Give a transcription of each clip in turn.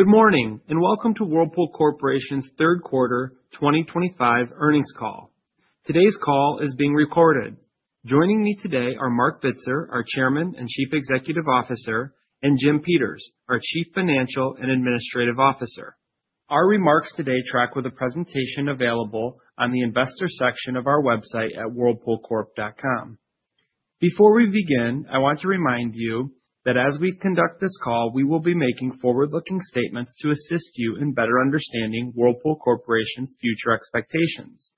Good morning, and welcome to Whirlpool Corporation's Third Quarter 2025 Earnings Call. Today's call is being recorded. Joining me today are Marc Bitzer, our Chairman and Chief Executive Officer, and Jim Peters, our Chief Financial and Administrative Officer. Our remarks today track with the presentation available on the Investor section of our website at whirlpoolcorp.com. Before we begin, I want to remind you that as we conduct this call, we will be making forward-looking statements to assist you in better understanding Whirlpool Corporation's future expectations.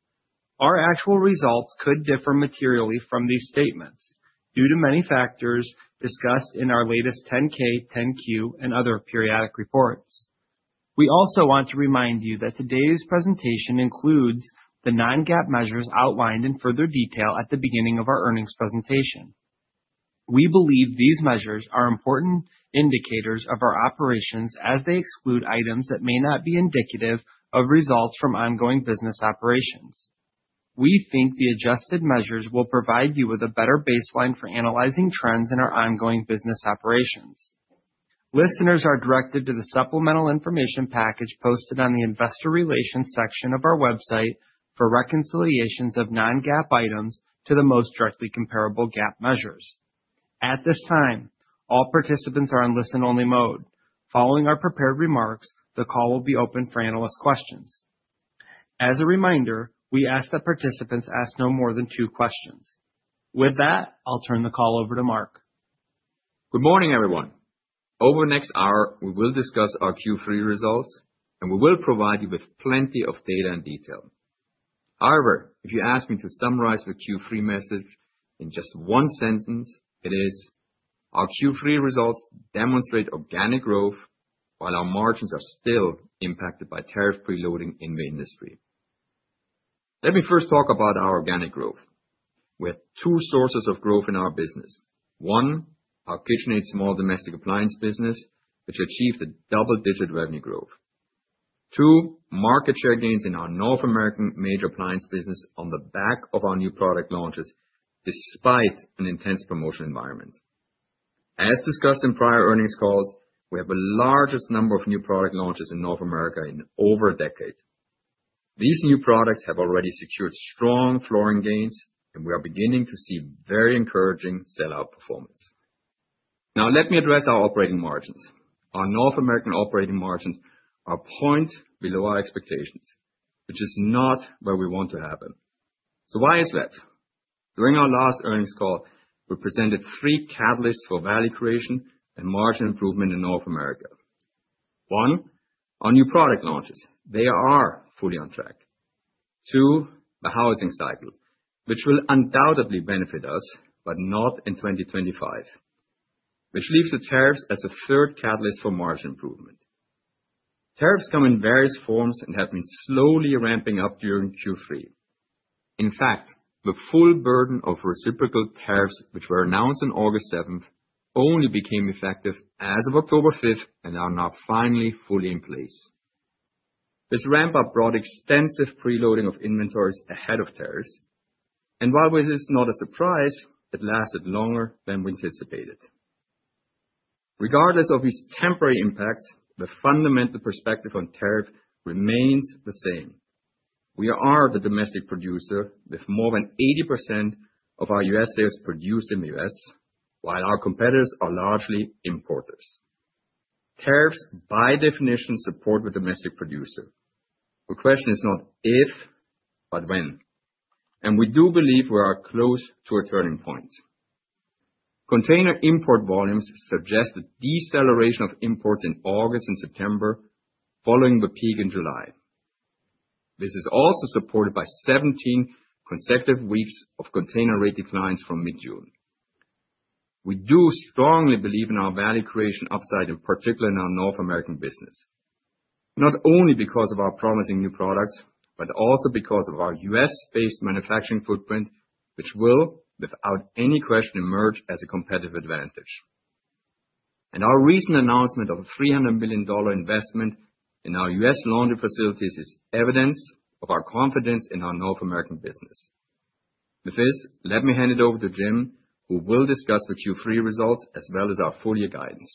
Our actual results could differ materially from these statements due to many factors discussed in our latest 10-K, 10-Q, and other periodic reports. We also want to remind you that today's presentation includes the non-GAAP measures outlined in further detail at the beginning of our earnings presentation. We believe these measures are important indicators of our operations as they exclude items that may not be indicative of results from ongoing business operations. We think the adjusted measures will provide you with a better baseline for analyzing trends in our ongoing business operations. Listeners are directed to the supplemental information package posted on the Investor Relations section of our website for reconciliations of non-GAAP items to the most directly comparable GAAP measures. At this time, all participants are on listen-only mode. Following our prepared remarks, the call will be open for analyst questions. As a reminder, we ask that participants ask no more than two questions. With that, I'll turn the call over to Marc. Good morning, everyone. Over the next hour, we will discuss our Q3 results, and we will provide you with plenty of data and detail. However, if you ask me to summarize the Q3 message in just one sentence, it is: our Q3 results demonstrate organic growth, while our margins are still impacted by tariff preloading in the industry. Let me first talk about our organic growth. We have two sources of growth in our business. One, our KitchenAid Small Domestic Appliance business, which achieved a double-digit revenue growth. Two, market share gains in our North American Major Appliance business on the back of our new product launches, despite an intense promotion environment. As discussed in prior earnings calls, we have the largest number of new product launches in North America in over a decade. These new products have already secured strong flooring gains, and we are beginning to see very encouraging sell-out performance. Now, let me address our operating margins. Our North American operating margins are a point below our expectations, which is not where we want to have them. So why is that? During our last earnings call, we presented three catalysts for value creation and margin improvement in North America. One, our new product launches. They are fully on track. Two, the housing cycle, which will undoubtedly benefit us, but not in 2025, which leaves the tariffs as a third catalyst for margin improvement. Tariffs come in various forms and have been slowly ramping up during Q3. In fact, the full burden of reciprocal tariffs, which were announced on August 7th, only became effective as of October 5th and are now finally fully in place. This ramp-up brought extensive preloading of inventories ahead of tariffs, and while this is not a surprise, it lasted longer than we anticipated. Regardless of these temporary impacts, the fundamental perspective on tariff remains the same. We are the domestic producer with more than 80% of our U.S. sales produced in the U.S., while our competitors are largely importers. Tariffs, by definition, support the domestic producer. The question is not if, but when. And we do believe we are close to a turning point. Container import volumes suggest a deceleration of imports in August and September, following the peak in July. This is also supported by 17 consecutive weeks of container rate declines from mid-June. We do strongly believe in our value creation upside, in particular in our North American business, not only because of our promising new products, but also because of our U.S.-based manufacturing footprint, which will, without any question, emerge as a competitive advantage, and our recent announcement of a $300 million investment in our U.S. laundry facilities is evidence of our confidence in our North American business. With this, let me hand it over to Jim, who will discuss the Q3 results as well as our full year guidance.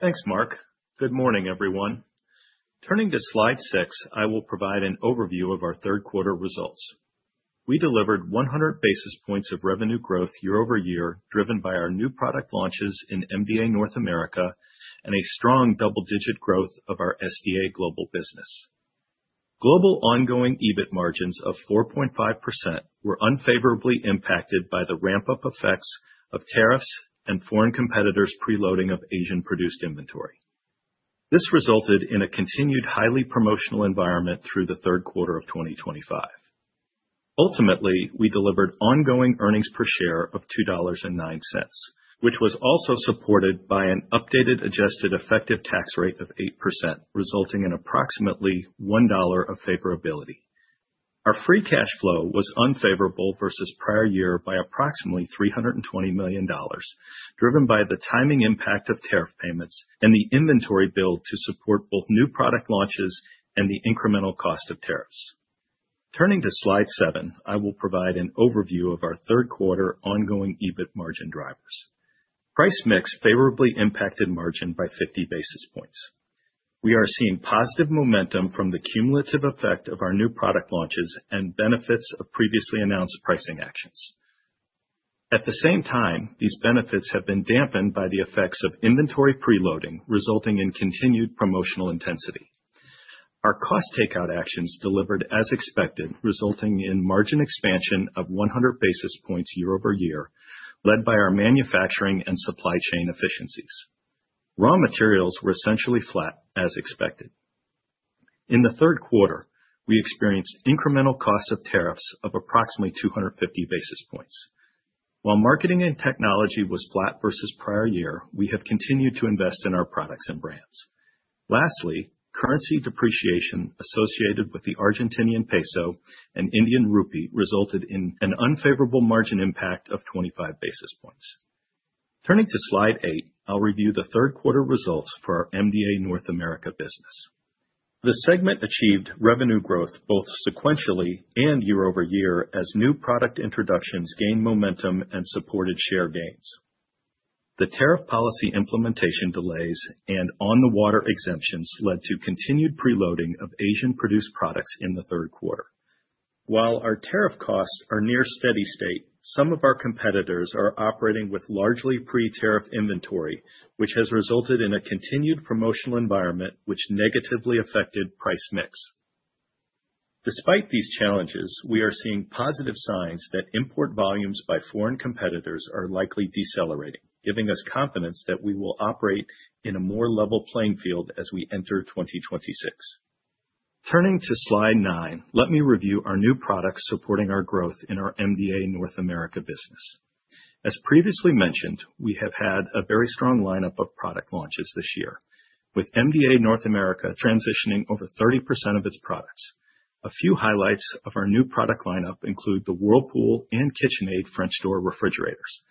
Thanks, Marc. Good morning, everyone. Turning to slide six, I will provide an overview of our third quarter results. We delivered 100 basis points of revenue growth year over year, driven by our new product launches in MDA North America and a strong double-digit growth of our SDA global business. Global ongoing EBIT margins of 4.5% were unfavorably impacted by the ramp-up effects of tariffs and foreign competitors' preloading of Asian-produced inventory. This resulted in a continued highly promotional environment through the third quarter of 2025. Ultimately, we delivered ongoing earnings per share of $2.09, which was also supported by an updated adjusted effective tax rate of 8%, resulting in approximately $1 of favorability. Our free cash flow was unfavorable versus prior year by approximately $320 million, driven by the timing impact of tariff payments and the inventory build to support both new product launches and the incremental cost of tariffs. Turning to slide seven, I will provide an overview of our third quarter ongoing EBIT margin drivers. Price mix favorably impacted margin by 50 basis points. We are seeing positive momentum from the cumulative effect of our new product launches and benefits of previously announced pricing actions. At the same time, these benefits have been dampened by the effects of inventory preloading, resulting in continued promotional intensity. Our cost takeout actions delivered as expected, resulting in margin expansion of 100 basis points year over year, led by our manufacturing and supply chain efficiencies. Raw materials were essentially flat, as expected. In the third quarter, we experienced incremental costs of tariffs of approximately 250 basis points. While marketing and technology was flat versus prior year, we have continued to invest in our products and brands. Lastly, currency depreciation associated with the Argentinian peso and Indian rupee resulted in an unfavorable margin impact of 25 basis points. Turning to slide eight, I'll review the third quarter results for our MDA North America business. The segment achieved revenue growth both sequentially and year over year as new product introductions gained momentum and supported share gains. The tariff policy implementation delays and on-the-water exemptions led to continued preloading of Asian-produced products in the third quarter. While our tariff costs are near steady state, some of our competitors are operating with largely pre-tariff inventory, which has resulted in a continued promotional environment, which negatively affected price mix. Despite these challenges, we are seeing positive signs that import volumes by foreign competitors are likely decelerating, giving us confidence that we will operate in a more level playing field as we enter 2026. Turning to slide nine, let me review our new products supporting our growth in our MDA North America business. As previously mentioned, we have had a very strong lineup of product launches this year, with MDA North America transitioning over 30% of its products. A few highlights of our new product lineup include the Whirlpool and KitchenAid French door refrigerators.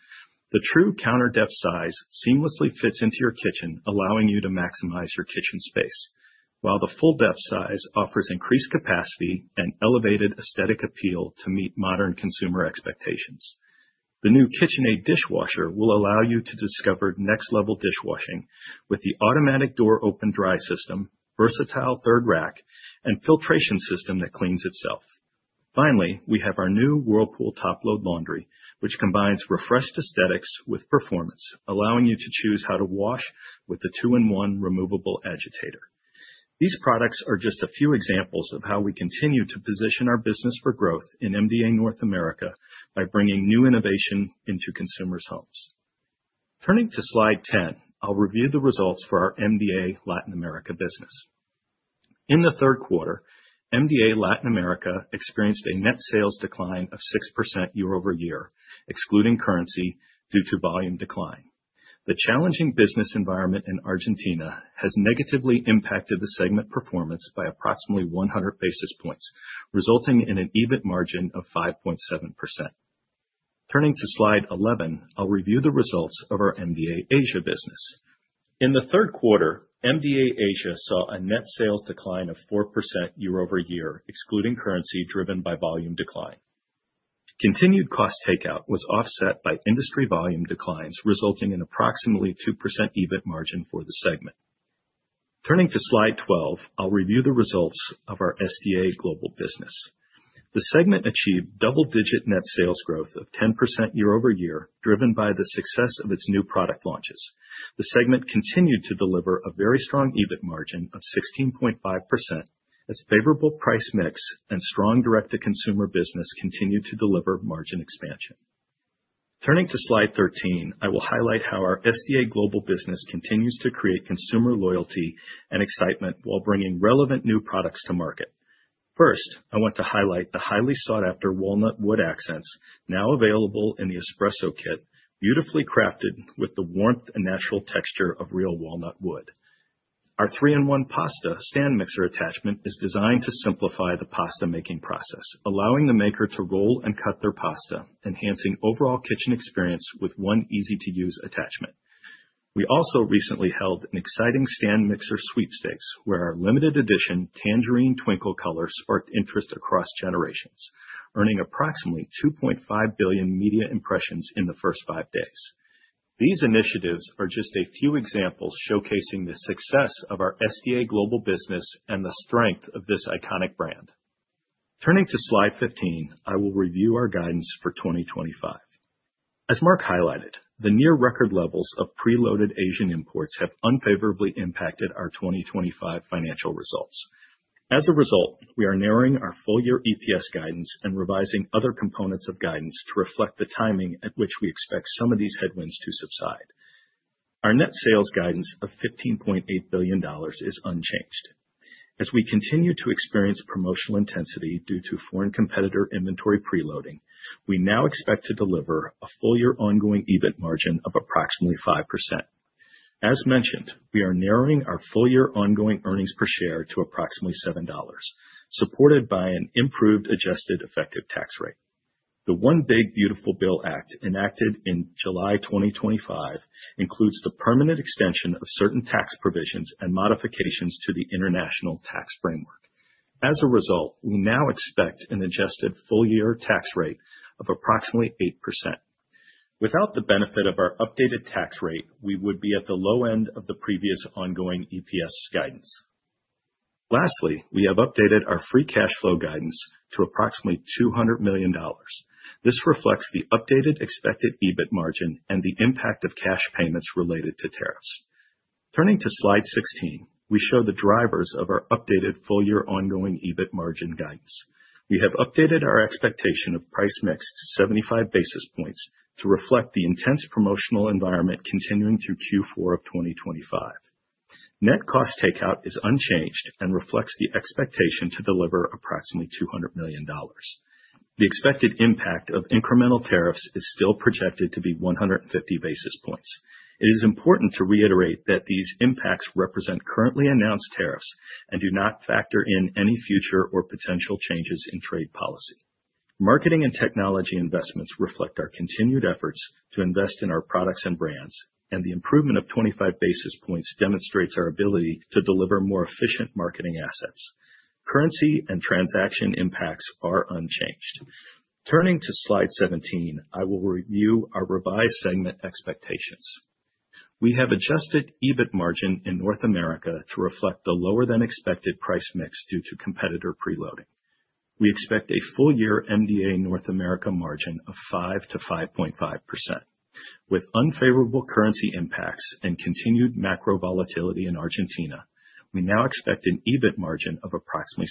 The true counter depth size seamlessly fits into your kitchen, allowing you to maximize your kitchen space, while the full depth size offers increased capacity and elevated aesthetic appeal to meet modern consumer expectations. The new KitchenAid dishwasher will allow you to discover next-level dishwashing with the automatic door open/dry system, versatile third rack, and filtration system that cleans itself. Finally, we have our new Whirlpool top-load laundry, which combines refreshed aesthetics with performance, allowing you to choose how to wash with the two-in-one removable agitator. These products are just a few examples of how we continue to position our business for growth in MDA North America by bringing new innovation into consumers' homes. Turning to slide 10, I'll review the results for our MDA Latin America business. In the third quarter, MDA Latin America experienced a net sales decline of 6% year over year, excluding currency, due to volume decline. The challenging business environment in Argentina has negatively impacted the segment performance by approximately 100 basis points, resulting in an EBIT margin of 5.7%. Turning to slide 11, I'll review the results of our MDA Asia business. In the third quarter, MDA Asia saw a net sales decline of 4% year over year, excluding currency, driven by volume decline. Continued cost takeout was offset by industry volume declines, resulting in approximately 2% EBIT margin for the segment. Turning to slide 12, I'll review the results of our SDA global business. The segment achieved double-digit net sales growth of 10% year over year, driven by the success of its new product launches. The segment continued to deliver a very strong EBIT margin of 16.5% as favorable price mix and strong direct-to-consumer business continued to deliver margin expansion. Turning to slide 13, I will highlight how our SDA global business continues to create consumer loyalty and excitement while bringing relevant new products to market. First, I want to highlight the highly sought-after walnut wood accents now available in the Espresso Kit, beautifully crafted with the warmth and natural texture of real walnut wood. Our three-in-one pasta stand mixer attachment is designed to simplify the pasta-making process, allowing the maker to roll and cut their pasta, enhancing overall kitchen experience with one easy-to-use attachment. We also recently held an exciting stand mixer sweepstakes where our limited edition Tangerine Twinkle color sparked interest across generations, earning approximately 2.5 billion media impressions in the first five days. These initiatives are just a few examples showcasing the success of our SDA global business and the strength of this iconic brand. Turning to slide 15, I will review our guidance for 2025. As Marc highlighted, the near-record levels of preloaded Asian imports have unfavorably impacted our 2025 financial results. As a result, we are narrowing our full year EPS guidance and revising other components of guidance to reflect the timing at which we expect some of these headwinds to subside. Our net sales guidance of $15.8 billion is unchanged. As we continue to experience promotional intensity due to foreign competitor inventory preloading, we now expect to deliver a full year ongoing EBIT margin of approximately 5%. As mentioned, we are narrowing our full year ongoing earnings per share to approximately $7, supported by an improved adjusted effective tax rate. The One Big Beautiful Bill Act enacted in July 2025 includes the permanent extension of certain tax provisions and modifications to the international tax framework. As a result, we now expect an adjusted full year tax rate of approximately 8%. Without the benefit of our updated tax rate, we would be at the low end of the previous ongoing EPS guidance. Lastly, we have updated our free cash flow guidance to approximately $200 million. This reflects the updated expected EBIT margin and the impact of cash payments related to tariffs. Turning to slide 16, we show the drivers of our updated full year ongoing EBIT margin guidance. We have updated our expectation of price mix to 75 basis points to reflect the intense promotional environment continuing through Q4 of 2025. Net cost takeout is unchanged and reflects the expectation to deliver approximately $200 million. The expected impact of incremental tariffs is still projected to be 150 basis points. It is important to reiterate that these impacts represent currently announced tariffs and do not factor in any future or potential changes in trade policy. Marketing and technology investments reflect our continued efforts to invest in our products and brands, and the improvement of 25 basis points demonstrates our ability to deliver more efficient marketing assets. Currency and transaction impacts are unchanged. Turning to slide 17, I will review our revised segment expectations. We have adjusted EBIT margin in North America to reflect the lower-than-expected price mix due to competitor preloading. We expect a full year MDA North America margin of 5%-5.5%. With unfavorable currency impacts and continued macro volatility in Argentina, we now expect an EBIT margin of approximately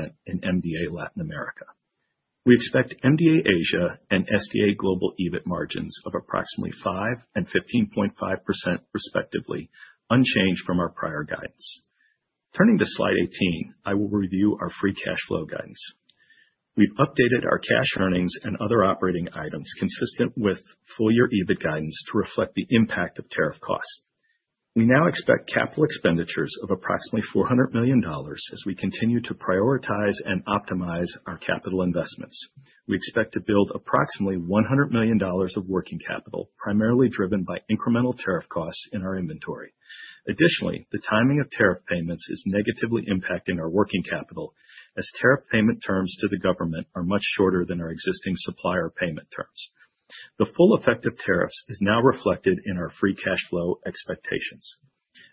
6% in MDA Latin America. We expect MDA Asia and SDA global EBIT margins of approximately 5% and 15.5%, respectively, unchanged from our prior guidance. Turning to slide 18, I will review our free cash flow guidance. We've updated our cash earnings and other operating items consistent with full year EBIT guidance to reflect the impact of tariff costs. We now expect capital expenditures of approximately $400 million as we continue to prioritize and optimize our capital investments. We expect to build approximately $100 million of working capital, primarily driven by incremental tariff costs in our inventory. Additionally, the timing of tariff payments is negatively impacting our working capital as tariff payment terms to the government are much shorter than our existing supplier payment terms. The full effect of tariffs is now reflected in our free cash flow expectations.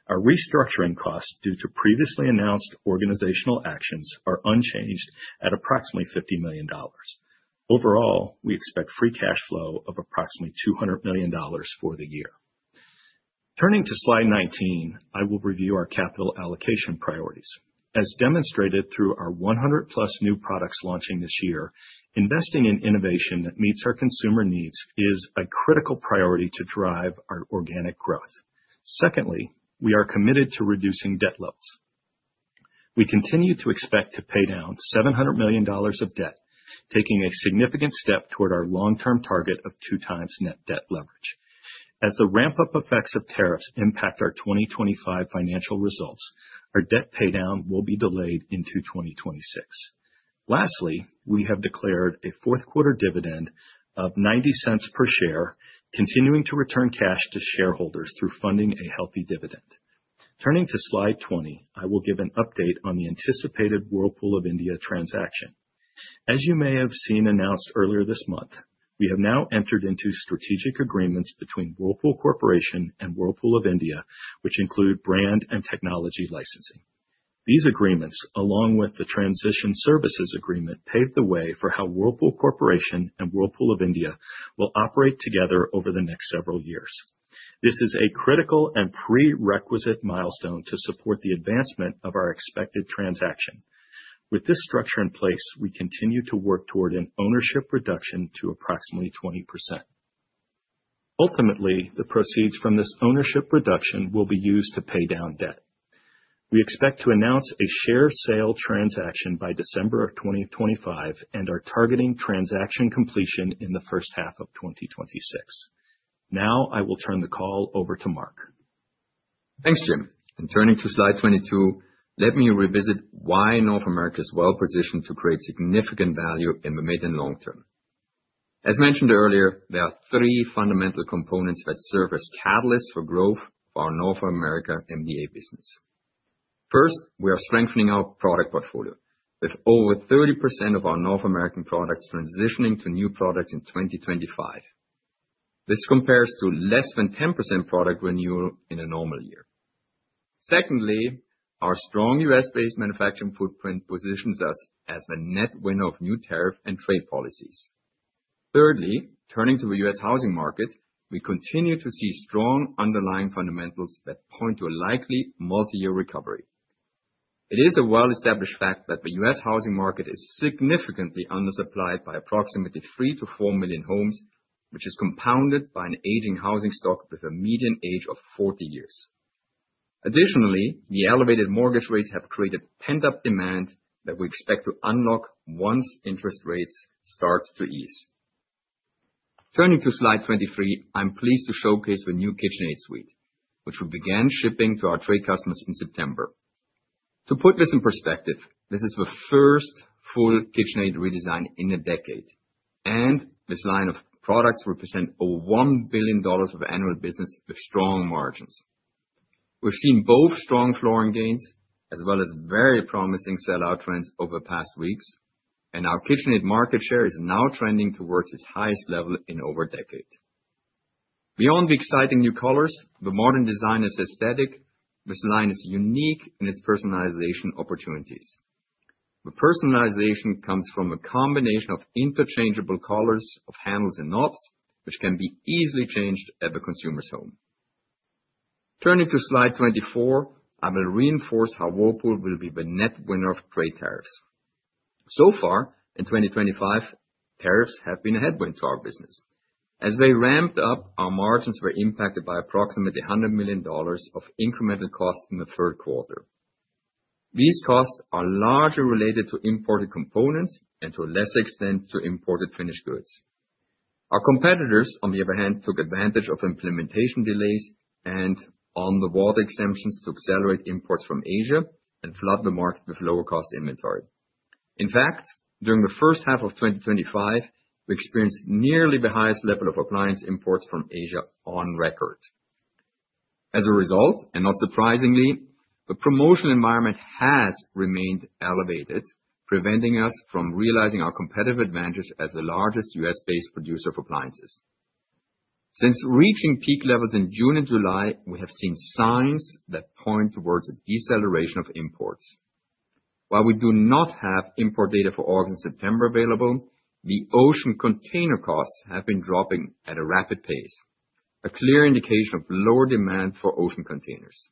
Our restructuring costs due to previously announced organizational actions are unchanged at approximately $50 million. Overall, we expect free cash flow of approximately $200 million for the year. Turning to slide 19, I will review our capital allocation priorities. As demonstrated through our 100-plus new products launching this year, investing in innovation that meets our consumer needs is a critical priority to drive our organic growth. Secondly, we are committed to reducing debt levels. We continue to expect to pay down $700 million of debt, taking a significant step toward our long-term target of two times net debt leverage. As the ramp-up effects of tariffs impact our 2025 financial results, our debt paydown will be delayed into 2026. Lastly, we have declared a fourth quarter dividend of $0.90 per share, continuing to return cash to shareholders through funding a healthy dividend. Turning to slide 20, I will give an update on the anticipated Whirlpool of India transaction. As you may have seen announced earlier this month, we have now entered into strategic agreements between Whirlpool Corporation and Whirlpool of India, which include brand and technology licensing. These agreements, along with the transition services agreement, pave the way for how Whirlpool Corporation and Whirlpool of India will operate together over the next several years. This is a critical and prerequisite milestone to support the advancement of our expected transaction. With this structure in place, we continue to work toward an ownership reduction to approximately 20%. Ultimately, the proceeds from this ownership reduction will be used to pay down debt. We expect to announce a share sale transaction by December of 2025 and are targeting transaction completion in the first half of 2026. Now I will turn the call over to Marc. Thanks, Jim, and turning to slide 22, let me revisit why North America is well positioned to create significant value in the mid and long term. As mentioned earlier, there are three fundamental components that serve as catalysts for growth for our North America MDA business. First, we are strengthening our product portfolio with over 30% of our North American products transitioning to new products in 2025. This compares to less than 10% product renewal in a normal year. Secondly, our strong U.S.-based manufacturing footprint positions us as the net winner of new tariff and trade policies. Thirdly, turning to the U.S. housing market, we continue to see strong underlying fundamentals that point to a likely multi-year recovery. It is a well-established fact that the U.S. housing market is significantly undersupplied by approximately 3-4 million homes, which is compounded by an aging housing stock with a median age of 40 years. Additionally, the elevated mortgage rates have created pent-up demand that we expect to unlock once interest rates start to ease. Turning to slide 23, I'm pleased to showcase the new KitchenAid suite, which we began shipping to our trade customers in September. To put this in perspective, this is the first full KitchenAid redesign in a decade, and this line of products represents over $1 billion of annual business with strong margins. We've seen both strong flooring gains as well as very promising sell-out trends over the past weeks, and our KitchenAid market share is now trending towards its highest level in over a decade. Beyond the exciting new colors, the modern design is aesthetic. This line is unique in its personalization opportunities. The personalization comes from a combination of interchangeable colors of handles and knobs, which can be easily changed at the consumer's home. Turning to slide 24, I will reinforce how Whirlpool will be the net winner of trade tariffs. So far, in 2025, tariffs have been a headwind to our business. As they ramped up, our margins were impacted by approximately $100 million of incremental costs in the third quarter. These costs are largely related to imported components and to a lesser extent to imported finished goods. Our competitors, on the other hand, took advantage of implementation delays and on-the-water exemptions to accelerate imports from Asia and flood the market with lower-cost inventory. In fact, during the first half of 2025, we experienced nearly the highest level of appliance imports from Asia on record. As a result, and not surprisingly, the promotional environment has remained elevated, preventing us from realizing our competitive advantage as the largest U.S.-based producer of appliances. Since reaching peak levels in June and July, we have seen signs that point towards a deceleration of imports. While we do not have import data for August and September available, the ocean container costs have been dropping at a rapid pace, a clear indication of lower demand for ocean containers.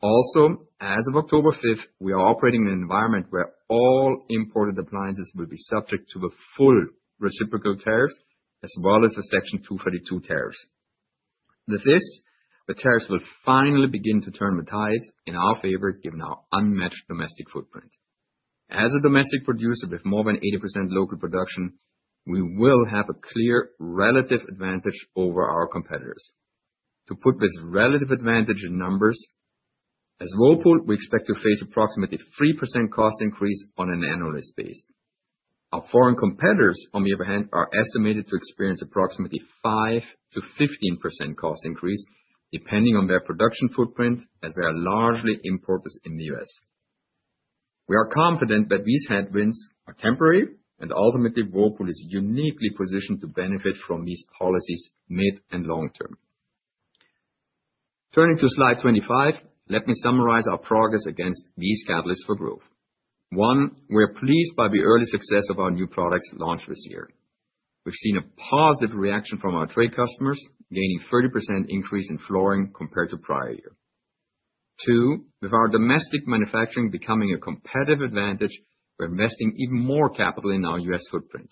Also, as of October 5th, we are operating in an environment where all imported appliances will be subject to the full reciprocal tariffs as well as the Section 232 tariffs. With this, the tariffs will finally begin to turn the tides in our favor given our unmatched domestic footprint. As a domestic producer with more than 80% local production, we will have a clear relative advantage over our competitors. To put this relative advantage in numbers, as Whirlpool, we expect to face approximately a 3% cost increase on an annualized base. Our foreign competitors, on the other hand, are estimated to experience approximately a 5%-15% cost increase depending on their production footprint as they are largely imported in the U.S. We are confident that these headwinds are temporary, and ultimately, Whirlpool is uniquely positioned to benefit from these policies mid and long term. Turning to slide 25, let me summarize our progress against these catalysts for growth. One, we are pleased by the early success of our new products launched this year. We've seen a positive reaction from our trade customers, gaining a 30% increase in flooring compared to the prior year. Two, with our domestic manufacturing becoming a competitive advantage, we're investing even more capital in our U.S. footprint.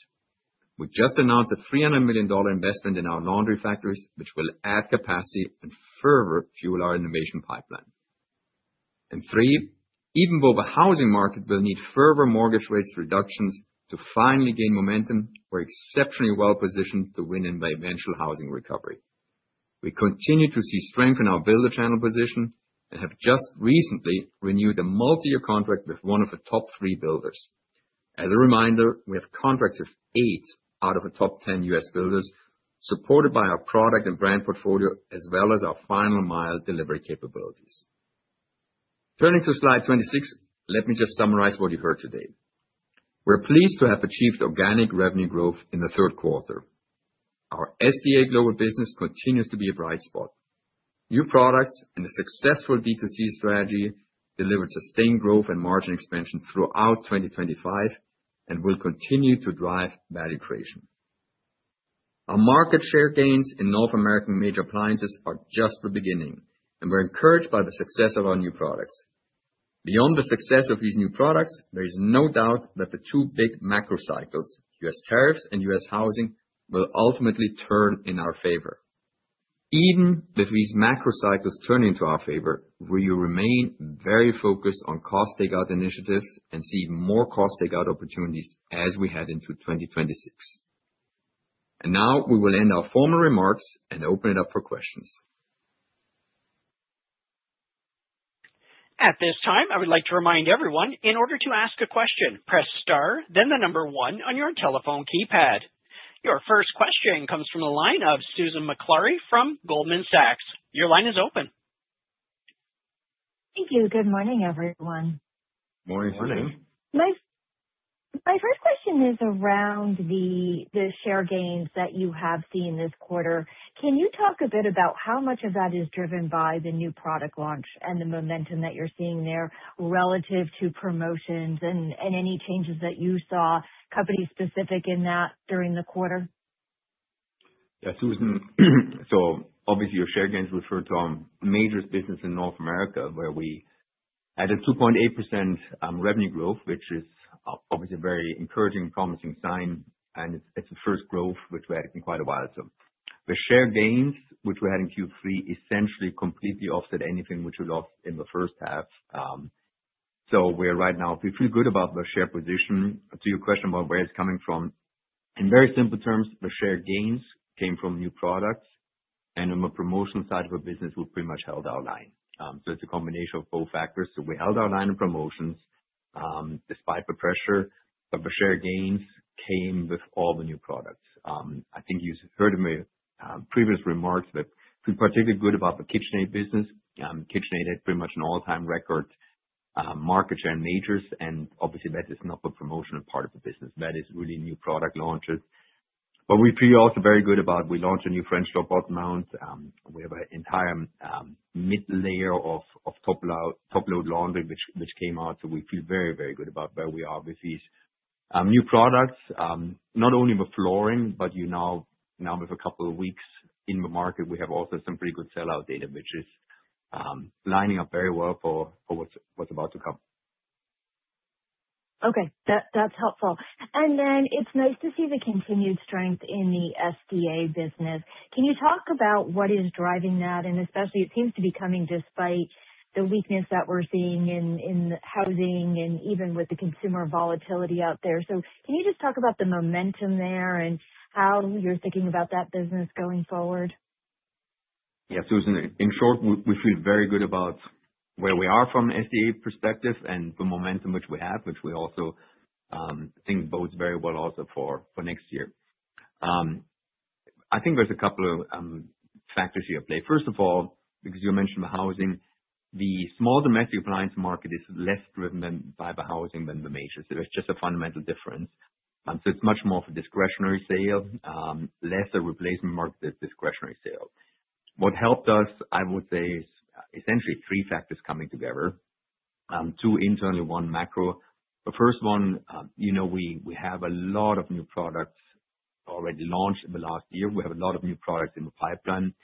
We just announced a $300 million investment in our laundry factories, which will add capacity and further fuel our innovation pipeline. And three, even though the housing market will need further mortgage rates reductions to finally gain momentum, we're exceptionally well positioned to win in the eventual housing recovery. We continue to see strength in our builder channel position and have just recently renewed a multi-year contract with one of the top three builders. As a reminder, we have contracts of eight out of the top 10 U.S. builders, supported by our product and brand portfolio as well as our final-mile delivery capabilities. Turning to slide 26, let me just summarize what you heard today. We're pleased to have achieved organic revenue growth in the third quarter. Our SDA global business continues to be a bright spot. New products and a successful D2C strategy delivered sustained growth and margin expansion throughout 2025 and will continue to drive value creation. Our market share gains in North American major appliances are just the beginning, and we're encouraged by the success of our new products. Beyond the success of these new products, there is no doubt that the two big macro cycles, U.S. tariffs and U.S. housing, will ultimately turn in our favor. Even with these macro cycles turning to our favor, we remain very focused on cost takeout initiatives and see more cost takeout opportunities as we head into 2026. And now we will end our formal remarks and open it up for questions. At this time, I would like to remind everyone, in order to ask a question, press star, then the number one on your telephone keypad. Your first question comes from the line of Susan Maklari from Goldman Sachs. Your line is open. Thank you. Good morning, everyone. Morning. My first question is around the share gains that you have seen this quarter. Can you talk a bit about how much of that is driven by the new product launch and the momentum that you're seeing there relative to promotions and any changes that you saw company-specific in that during the quarter? Yeah, Susan, so obviously, your share gains refer to our major business in North America, where we had a 2.8% revenue growth, which is obviously a very encouraging, promising sign, and it's the first growth, which we had in quite a while or so. The share gains, which we had in Q3, essentially completely offset anything which we lost in the first half. So we're right now, we feel good about the share position. To your question about where it's coming from, in very simple terms, the share gains came from new products, and on the promotional side of our business, we pretty much held our line. So it's a combination of both factors. So we held our line of promotions despite the pressure, but the share gains came with all the new products. I think you've heard in my previous remarks that we're particularly good about the KitchenAid business. KitchenAid had pretty much an all-time record market share in majors, and obviously, that is not the promotional part of the business. That is really new product launches. But we feel also very good about we launched a new French door bottom mount. We have an entire mid-layer of top-load laundry, which came out, so we feel very, very good about where we are with these new products, not only with flooring, but now with a couple of weeks in the market, we have also some pretty good sell-out data, which is lining up very well for what's about to come. Okay, that's helpful. And then it's nice to see the continued strength in the SDA business. Can you talk about what is driving that? And especially, it seems to be coming despite the weakness that we're seeing in housing and even with the consumer volatility out there. So can you just talk about the momentum there and how you're thinking about that business going forward? Yeah, Susan, in short, we feel very good about where we are from an SDA perspective and the momentum which we have, which we also think bodes very well also for next year. I think there's a couple of factors here at play. First of all, because you mentioned the housing, the small domestic appliance market is less driven by the housing than the majors. There's just a fundamental difference. So it's much more of a discretionary sale, less a replacement market than a discretionary sale. What helped us, I would say, is essentially three factors coming together, two internally, one macro. The first one, we have a lot of new products already launched in the last year. We have a lot of new products in the pipeline.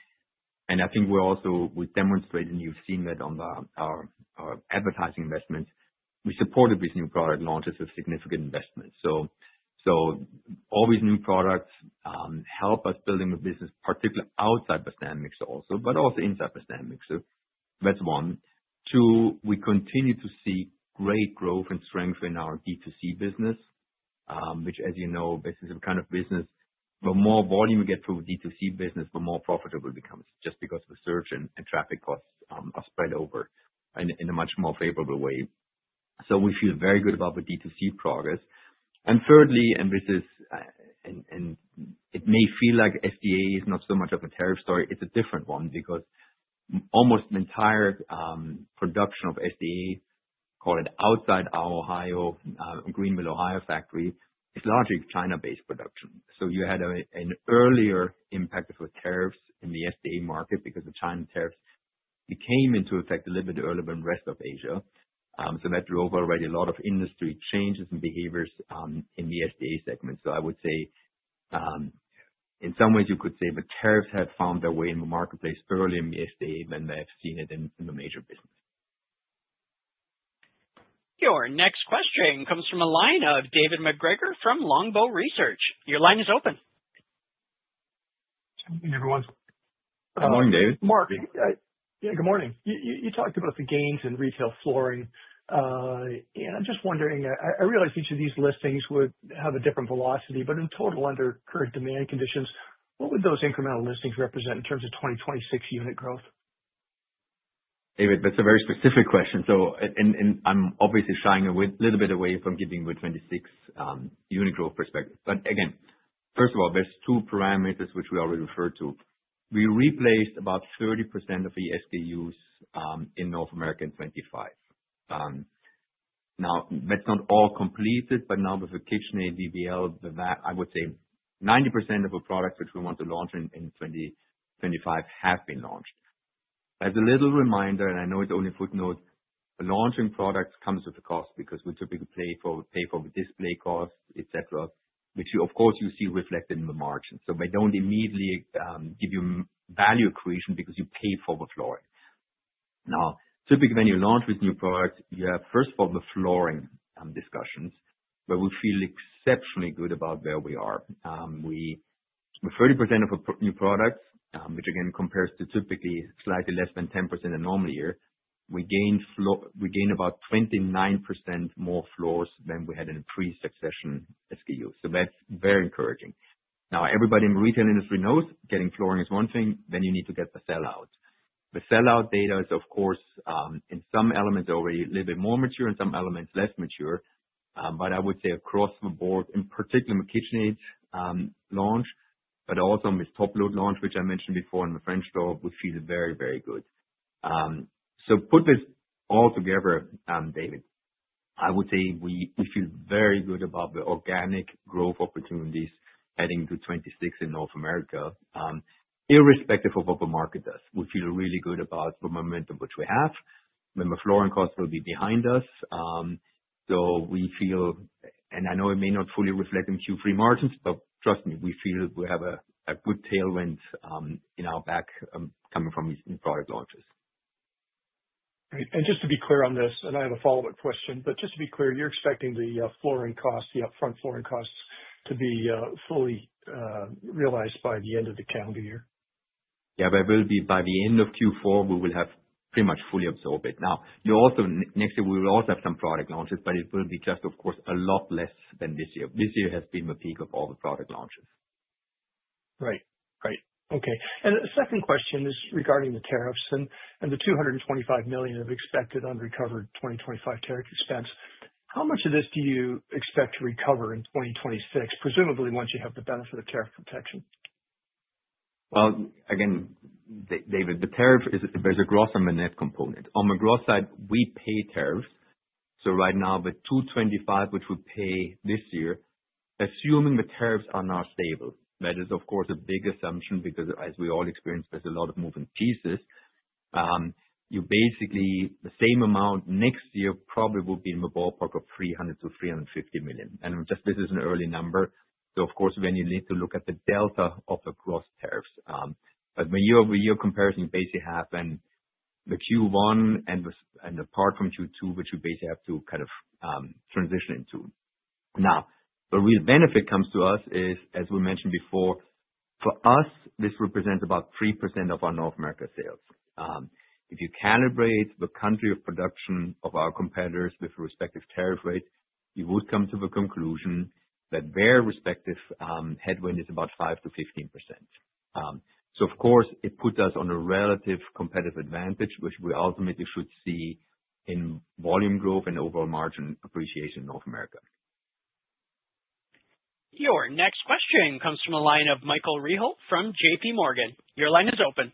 And I think we're also. We demonstrated, and you've seen that on our advertising investments. We supported these new product launches with significant investments. So all these new products help us build a business, particularly outside the stand mixer also, but also inside the stand mixer. That's one. Two, we continue to see great growth and strength in our D2C business, which, as you know, this is the kind of business the more volume we get through the D2C business, the more profitable it becomes, just because the search and traffic costs are spread over in a much more favorable way. So we feel very good about the D2C progress. And thirdly, and this is, and it may feel like SDA is not so much of a tariff story. It's a different one because almost the entire production of SDA, call it outside our Ohio, Greenville, Ohio factory, is largely China-based production. So you had an earlier impact with tariffs in the SDA market because the China tariffs came into effect a little bit earlier than the rest of Asia. So that drove already a lot of industry changes and behaviors in the SDA segment. So I would say, in some ways, you could say the tariffs have found their way in the marketplace early in the SDA when they have seen it in the major business. Your next question comes from the line of David MacGregor from Longbow Research. Your line is open. Good morning, David. Good morning. Yeah, good morning. You talked about the gains in retail flooring, and I'm just wondering, I realize each of these listings would have a different velocity, but in total, under current demand conditions, what would those incremental listings represent in terms of 2026 unit growth? David, that's a very specific question. So I'm obviously shying a little bit away from giving you a 2026 unit growth perspective. But again, first of all, there's two parameters which we already referred to. We replaced about 30% of ESDUs in North America in 2025. Now, that's not all completed, but now with the KitchenAid DBL, with that I would say 90% of the products which we want to launch in 2025 have been launched. As a little reminder, and I know it's only a footnote, the launching products come with a cost because we typically pay for the display costs, etc., which, of course, you see reflected in the margin. So they don't immediately give you value creation because you pay for the flooring. Now, typically, when you launch with new products, you have, first of all, the flooring discussions, where we feel exceptionally good about where we are. With 30% of new products, which again compares to typically slightly less than 10% in a normal year, we gain about 29% more floors than we had in a pre-succession SDU. So that's very encouraging. Now, everybody in the retail industry knows getting flooring is one thing, then you need to get the sell-out. The sell-out data is, of course, in some elements already a little bit more mature and some elements less mature, but I would say across the board, in particular, with KitchenAid's launch, but also with top-load launch, which I mentioned before in the French door, we feel very, very good. So put this all together, David, I would say we feel very good about the organic growth opportunities heading to 2026 in North America, irrespective of what the market does. We feel really good about the momentum which we have. I mean, the flooring costs will be behind us. So we feel, and I know it may not fully reflect in Q3 margins, but trust me, we feel we have a good tailwind in our back coming from these new product launches. Great. Just to be clear on this, and I have a follow-up question, but just to be clear, you're expecting the flooring costs, the upfront flooring costs, to be fully realized by the end of the calendar year? Yeah, there will be by the end of Q4, we will have pretty much fully absorbed it. Now, next year, we will also have some product launches, but it will be just, of course, a lot less than this year. This year has been the peak of all the product launches. Right. Right. Okay. And the second question is regarding the tariffs and the $225 million of expected unrecovered 2025 tariff expense. How much of this do you expect to recover in 2026, presumably once you have the benefit of tariff protection? Well, again, David, the tariff, there's a gross and a net component. On the gross side, we pay tariffs. So right now, with $225 million, which we pay this year, assuming the tariffs are not stable, that is, of course, a big assumption because, as we all experience, there's a lot of moving pieces. You basically, the same amount next year probably will be in the ballpark of $300-$350 million. And just this is an early number. So, of course, then you need to look at the delta of the gross tariffs. But when you have a year comparison, you basically have then the Q1 and apart from Q2, which you basically have to kind of transition into. Now, the real benefit comes to us is, as we mentioned before, for us, this represents about 3% of our North America sales. If you calibrate the country of production of our competitors with respective tariff rates, you would come to the conclusion that their respective headwind is about 5%-15%. So, of course, it puts us on a relative competitive advantage, which we ultimately should see in volume growth and overall margin appreciation in North America. Your next question comes from the line of Michael Rehaut from JPMorgan. Your line is open.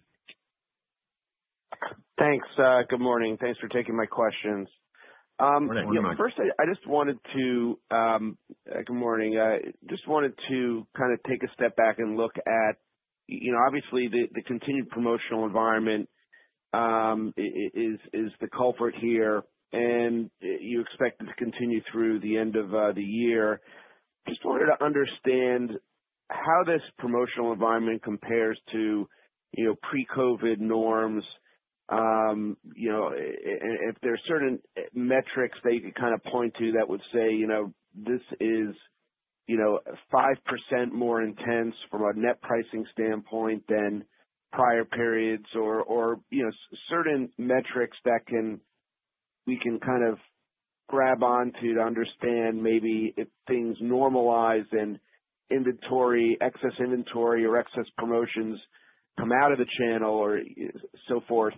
Thanks. Good morning. Thanks for taking my questions. Good morning, Mike. First, I just wanted to, good morning. I just wanted to kind of take a step back and look at, obviously, the continued promotional environment is the culprit here, and you expect it to continue through the end of the year. Just wanted to understand how this promotional environment compares to pre-COVID norms. If there are certain metrics that you could kind of point to that would say this is 5% more intense from a net pricing standpoint than prior periods or certain metrics that we can kind of grab onto to understand maybe if things normalize and inventory, excess inventory or excess promotions come out of the channel or so forth,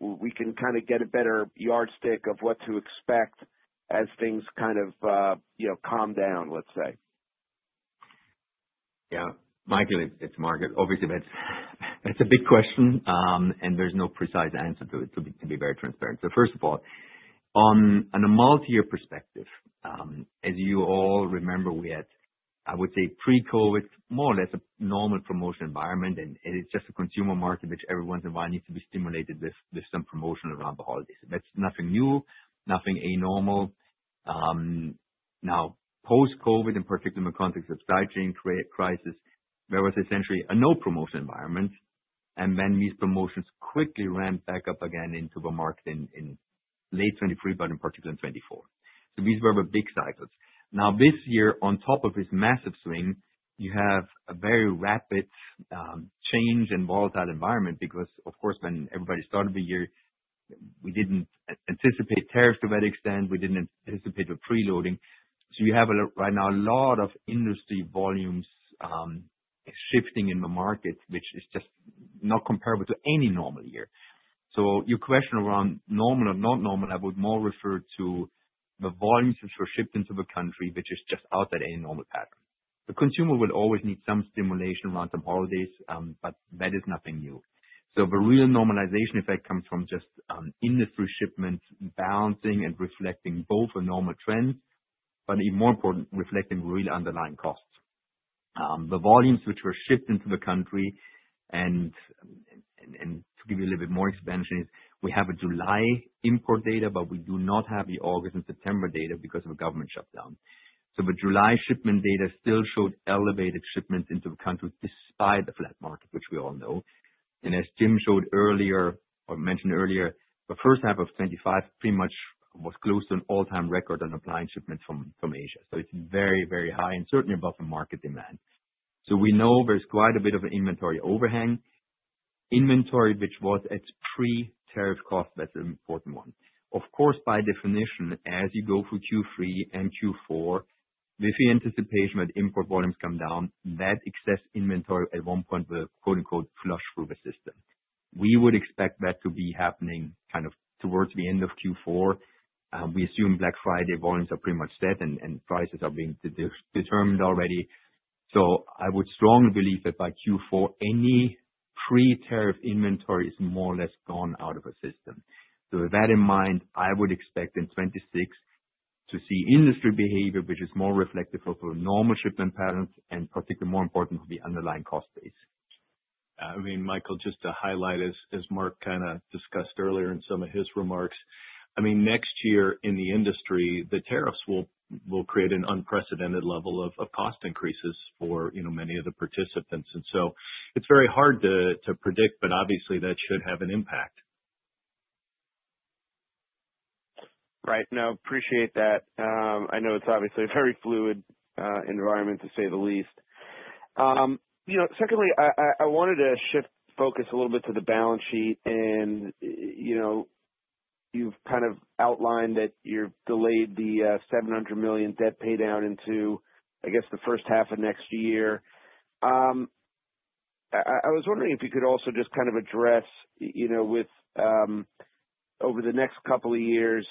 we can kind of get a better yardstick of what to expect as things kind of calm down, let's say. Yeah. Mike, it's Marc. Obviously, that's a big question, and there's no precise answer to it, to be very transparent. So first of all, on a multi-year perspective, as you all remember, we had, I would say, pre-COVID, more or less a normal promotion environment, and it's just a consumer market, which everyone's environment needs to be stimulated with some promotion around the holidays. That's nothing new, nothing abnormal. Now, post-COVID, in particular, in the context of the supply chain crisis, there was essentially a no-promotion environment, and then these promotions quickly ramped back up again into the market in late 2023, but in particular in 2024. So these were the big cycles. Now, this year, on top of this massive swing, you have a very rapid change and volatile environment because, of course, when everybody started the year, we didn't anticipate tariffs to that extent. We didn't anticipate the preloading. So you have right now a lot of industry volumes shifting in the market, which is just not comparable to any normal year. So your question around normal or not normal, I would more refer to the volumes which were shipped into the country, which is just outside any normal pattern. The consumer will always need some stimulation around some holidays, but that is nothing new. So the real normalization effect comes from just industry shipments balancing and reflecting both the normal trends, but even more important, reflecting real underlying costs. The volumes which were shipped into the country, and to give you a little bit more expansion is we have a July import data, but we do not have the August and September data because of a government shutdown. So the July shipment data still showed elevated shipments into the country despite the flat market, which we all know. And as Jim showed earlier or mentioned earlier, the first half of 2025 pretty much was close to an all-time record on applied shipments from Asia. So it's very, very high and certainly above the market demand. So we know there's quite a bit of an inventory overhang. Inventory, which was at pre-tariff cost, that's an important one. Of course, by definition, as you go through Q3 and Q4, with the anticipation that import volumes come down, that excess inventory at one point will "flush through the system." We would expect that to be happening kind of towards the end of Q4. We assume Black Friday volumes are pretty much set and prices are being determined already. So I would strongly believe that by Q4, any pre-tariff inventory is more or less gone out of the system. So with that in mind, I would expect in 2026 to see industry behavior, which is more reflective of a normal shipment pattern and, particularly, more importantly, the underlying cost base. I mean, Michael, just to highlight, as Marc kind of discussed earlier in some of his remarks, I mean, next year in the industry, the tariffs will create an unprecedented level of cost increases for many of the participants. And so it's very hard to predict, but obviously, that should have an impact. Right. No, appreciate that. I know it's obviously a very fluid environment, to say the least. Secondly, I wanted to shift focus a little bit to the balance sheet, and you've kind of outlined that you're delayed the $700 million debt paydown into, I guess, the first half of next year. I was wondering if you could also just kind of address, over the next couple of years,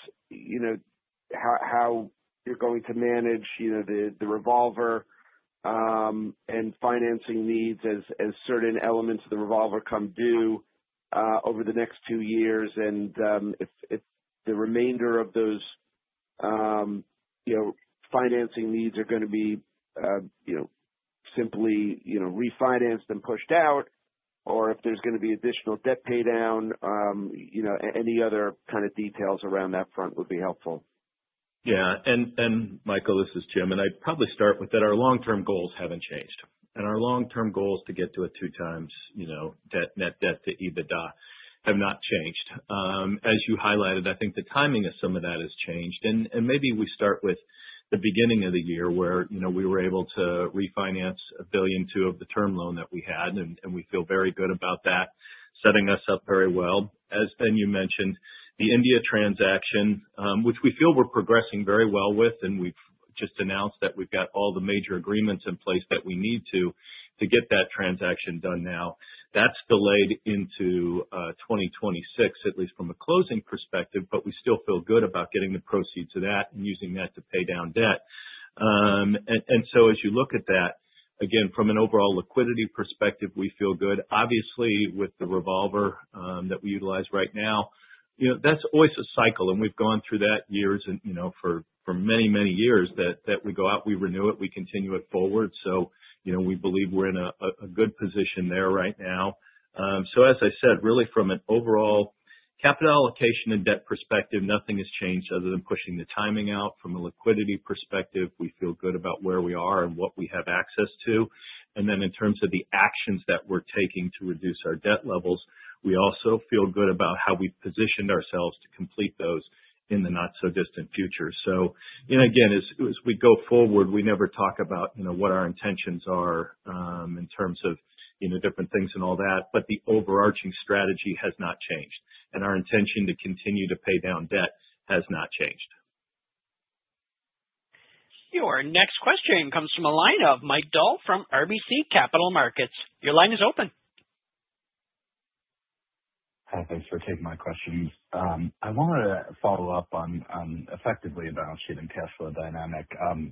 how you're going to manage the revolver and financing needs as certain elements of the revolver come due over the next two years, and if the remainder of those financing needs are going to be simply refinanced and pushed out, or if there's going to be additional debt paydown, any other kind of details around that front would be helpful. Yeah. And Michael, this is Jim, and I'd probably start with that our long-term goals haven't changed. And our long-term goals to get to a two-times net debt to EBITDA have not changed. As you highlighted, I think the timing of some of that has changed. And maybe we start with the beginning of the year where we were able to refinance $1.2 billion of the term loan that we had, and we feel very good about that, setting us up very well. As, Ben, you mentioned, the India transaction, which we feel we're progressing very well with, and we've just announced that we've got all the major agreements in place that we need to get that transaction done. Now that's delayed into 2026, at least from a closing perspective, but we still feel good about getting the proceeds of that and using that to pay down debt. And so as you look at that, again, from an overall liquidity perspective, we feel good. Obviously, with the revolver that we utilize right now, that's always a cycle, and we've gone through that years and for many, many years that we go out, we renew it, we continue it forward. So we believe we're in a good position there right now. So as I said, really from an overall capital allocation and debt perspective, nothing has changed other than pushing the timing out. From a liquidity perspective, we feel good about where we are and what we have access to. And then in terms of the actions that we're taking to reduce our debt levels, we also feel good about how we've positioned ourselves to complete those in the not-so-distant future. So again, as we go forward, we never talk about what our intentions are in terms of different things and all that, but the overarching strategy has not changed, and our intention to continue to paydown debt has not changed. Your next question comes from the line of Mike Dahl from RBC Capital Markets. Your line is open. Hi, thanks for taking my questions. I want to follow up on effectively a balance sheet and cash flow dynamic.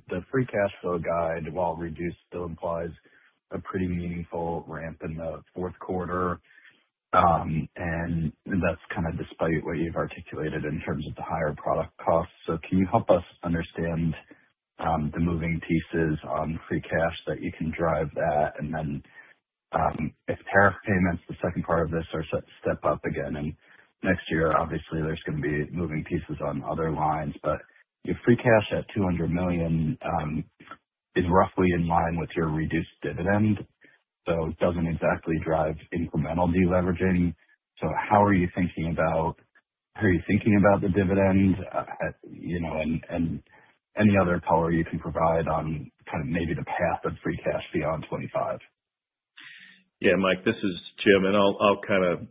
The free cash flow guide, while reduced, still implies a pretty meaningful ramp in the fourth quarter, and that's kind of despite what you've articulated in terms of the higher product costs. So can you help us understand the moving pieces on free cash that you can drive that? And then if tariff payments, the second part of this, are set to step up again in next year, obviously, there's going to be moving pieces on other lines, but your free cash at $200 million is roughly in line with your reduced dividend, so it doesn't exactly drive incremental deleveraging. So how are you thinking about the dividend and any other power you can provide on kind of maybe the path of free cash beyond 2025? Yeah, Mike, this is Jim, and I'll kind of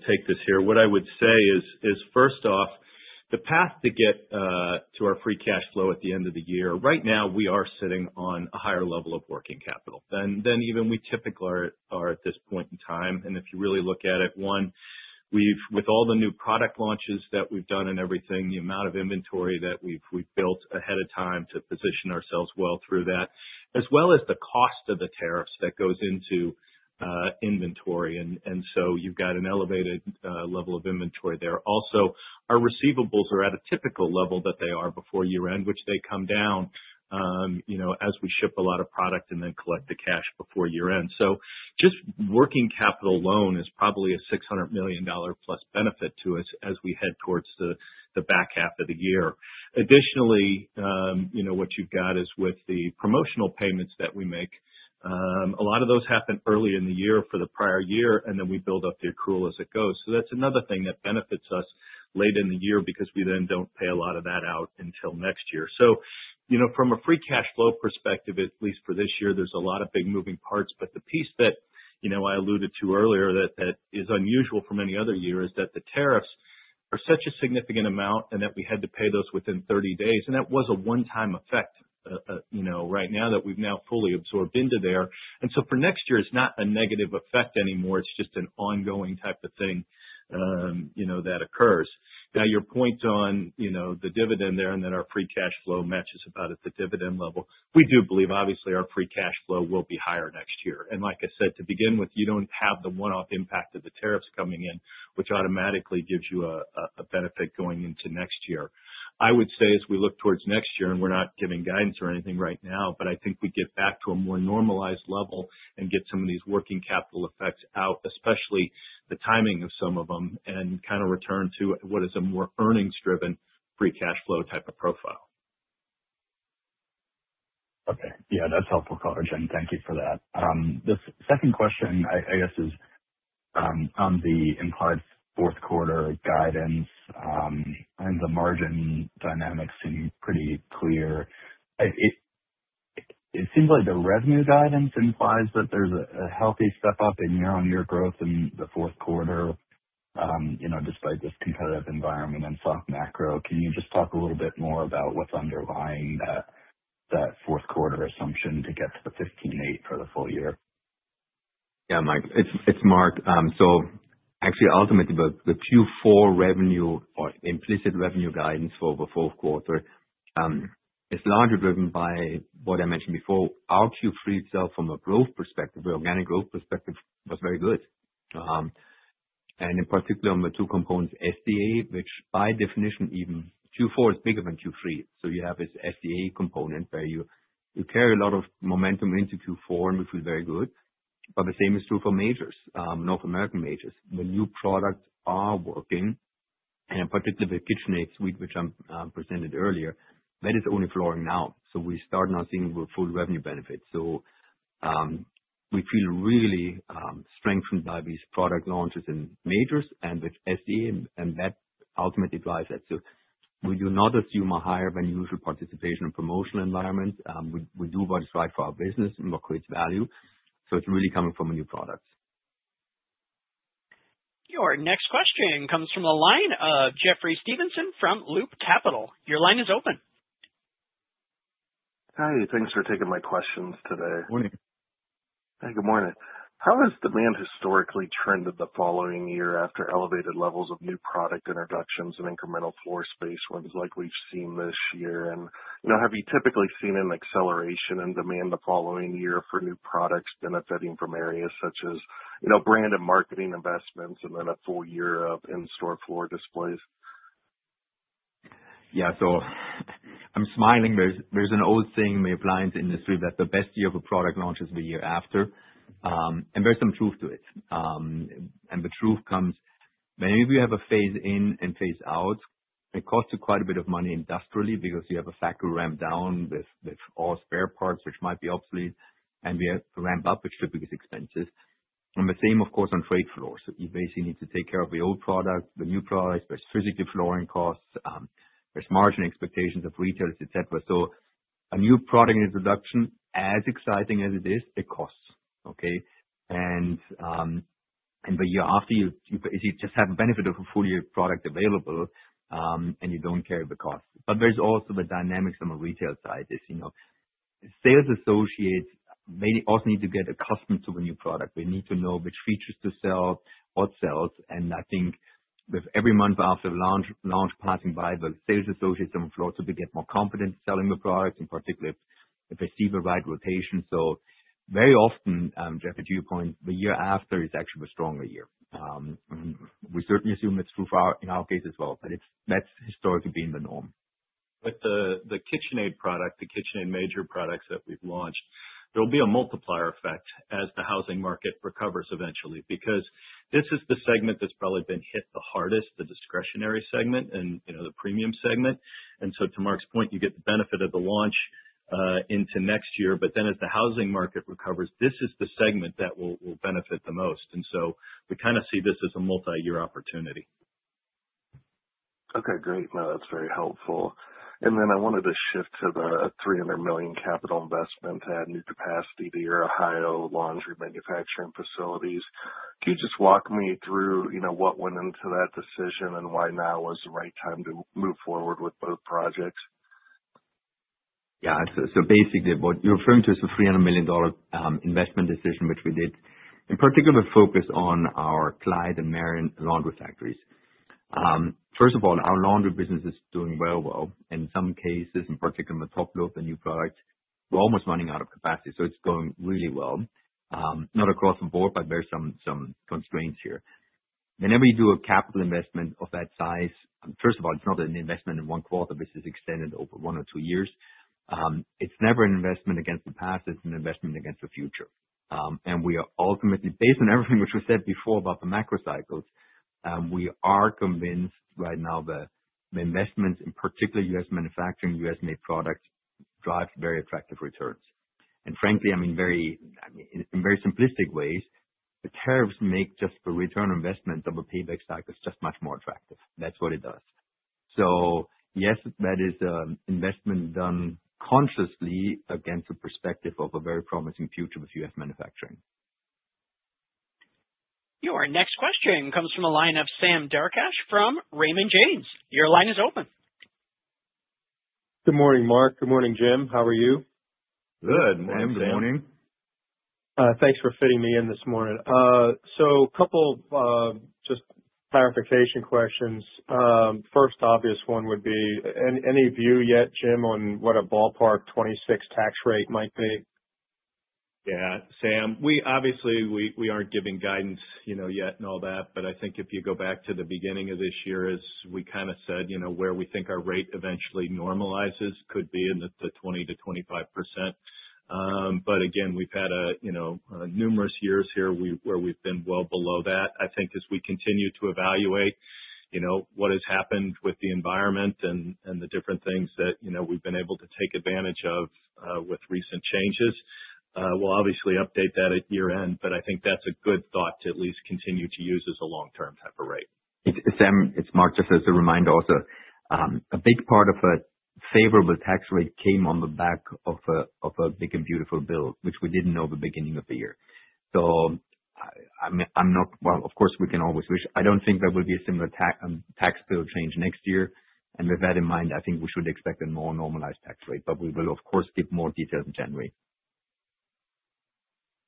take this here. What I would say is, first off, the path to get to our free cash flow at the end of the year, right now, we are sitting on a higher level of working capital than even we typically are at this point in time. And if you really look at it, one, with all the new product launches that we've done and everything, the amount of inventory that we've built ahead of time to position ourselves well through that, as well as the cost of the tariffs that goes into inventory. And so you've got an elevated level of inventory there. Also, our receivables are at a typical level that they are before year-end, which they come down as we ship a lot of product and then collect the cash before year-end. So just working capital alone is probably a $600 million-plus benefit to us as we head towards the back half of the year. Additionally, what you've got is with the promotional payments that we make, a lot of those happen early in the year for the prior year, and then we build up the accrual as it goes. So that's another thing that benefits us late in the year because we then don't pay a lot of that out until next year. So from a free cash flow perspective, at least for this year, there's a lot of big moving parts, but the piece that I alluded to earlier that is unusual for many other years is that the tariffs are such a significant amount and that we had to pay those within 30 days. And that was a one-time effect right now that we've now fully absorbed into there. And so for next year, it's not a negative effect anymore. It's just an ongoing type of thing that occurs. Now, your point on the dividend there and that our free cash flow matches about at the dividend level, we do believe, obviously, our free cash flow will be higher next year. And like I said, to begin with, you don't have the one-off impact of the tariffs coming in, which automatically gives you a benefit going into next year. I would say as we look towards next year, and we're not giving guidance or anything right now, but I think we get back to a more normalized level and get some of these working capital effects out, especially the timing of some of them, and kind of return to what is a more earnings-driven free cash flow type of profile. Okay. Yeah, that's helpful color. Thank you for that. The second question, I guess, is on the implied fourth quarter guidance and the margin dynamics seem pretty clear. It seems like the revenue guidance implies that there's a healthy step up in year-on-year growth in the fourth quarter despite this competitive environment and soft macro. Can you just talk a little bit more about what's underlying that fourth quarter assumption to get to the 15.8 for the full year? Yeah, Mike. It's Marc. So actually, ultimately, the Q4 revenue or implicit revenue guidance for the fourth quarter is largely driven by what I mentioned before. Our Q3 itself, from a growth perspective, the organic growth perspective was very good. And in particular, on the two components, SDA, which by definition, even Q4 is bigger than Q3. So you have this SDA component where you carry a lot of momentum into Q4, which was very good. But the same is true for majors, North American majors. The new products are working, and in particular, the KitchenAid suite, which I presented earlier, that is only flooring now. So we start now seeing full revenue benefits. So we feel really strengthened by these product launches in majors and with SDA, and that ultimately drives that. So we do not assume a higher-than-usual participation in promotional environments. We do what is right for our business and what creates value. So it's really coming from a new product. Your next question comes from the line of Jeffrey Stevenson from Loop Capital. Your line is open. Hey, thanks for taking my questions today. Good morning. Hey, good morning. How has demand historically trended the following year after elevated levels of new product introductions and incremental floor space ones like we've seen this year? And have you typically seen an acceleration in demand the following year for new products benefiting from areas such as brand and marketing investments and then a full year of in-store floor displays? Yeah, so I'm smiling. There's an old saying in the appliance industry that the best year of a product launch is the year after. And there's some truth to it. And the truth comes, many of you have a phase in and phase out. It costs you quite a bit of money industrially because you have a factory ramp down with all spare parts, which might be obsolete, and we ramp up, which typically is expensive. And the same, of course, on trade floors. You basically need to take care of the old product, the new products. There's physical flooring costs. There's margin expectations of retailers, etc. So a new product introduction, as exciting as it is, it costs. Okay? And the year after, you basically just have a benefit of a full year product available, and you don't care because. But there's also the dynamics on the retail side. Sales associates also need to get accustomed to the new product. We need to know which features to sell, what sells. And I think with every month after launch passing by, the sales associates on the floor typically get more confident selling the product, in particular, if they see the right rotation. So very often, Jeffrey, to your point, the year after is actually a stronger year. We certainly assume it's true for our case as well, but that's historically been the norm. With the KitchenAid product, the KitchenAid major products that we've launched, there will be a multiplier effect as the housing market recovers eventually because this is the segment that's probably been hit the hardest, the discretionary segment and the premium segment. And so to Marc's point, you get the benefit of the launch into next year. But then as the housing market recovers, this is the segment that will benefit the most. And so we kind of see this as a multi-year opportunity. Okay, great. No, that's very helpful. And then I wanted to shift to the $300 million capital investment to add new capacity to your Ohio laundry manufacturing facilities. Can you just walk me through what went into that decision and why now was the right time to move forward with both projects? Yeah. So basically, what you're referring to is a $300 million investment decision, which we did, in particular, focus on our Clyde and Marion laundry factories. First of all, our laundry business is doing very well. And in some cases, in particular, in the top-load, the new product, we're almost running out of capacity. So it's going really well. Not across the board, but there's some constraints here. Whenever you do a capital investment of that size, first of all, it's not an investment in one quarter. This is extended over one or two years. It's never an investment against the past. It's an investment against the future. And we are ultimately, based on everything which was said before about the macro cycles, we are convinced right now the investments, in particular, U.S. manufacturing, U.S.-made products drive very attractive returns. And frankly, I mean, in very simplistic ways, the tariffs make just the return on investment of a payback cycle just much more attractive. That's what it does. So yes, that is an investment done consciously against the perspective of a very promising future with U.S. manufacturing. Your next question comes from the line of Sam Darkatsh from Raymond James. Your line is open. Good morning, Marc. Good morning, Jim. How are you? Good. Morning, Jim. Good morning. Thanks for fitting me in this morning. So a couple of just clarification questions. First, obvious one would be, any view yet, Jim, on what a ballpark 26% tax rate might be? Yeah, Sam, obviously, we aren't giving guidance yet and all that, but I think if you go back to the beginning of this year, as we kind of said, where we think our rate eventually normalizes could be in the 20%-25%. But again, we've had numerous years here where we've been well below that. I think as we continue to evaluate what has happened with the environment and the different things that we've been able to take advantage of with recent changes, we'll obviously update that at year-end, but I think that's a good thought to at least continue to use as a long-term type of rate. Sam, it's Marc, just as a reminder also, a big part of a favorable tax rate came on the back of a big and beautiful bill, which we didn't know at the beginning of the year. So I'm not, well, of course, we can always wish. I don't think there will be a similar tax bill change next year. And with that in mind, I think we should expect a more normalized tax rate, but we will, of course, give more details in January.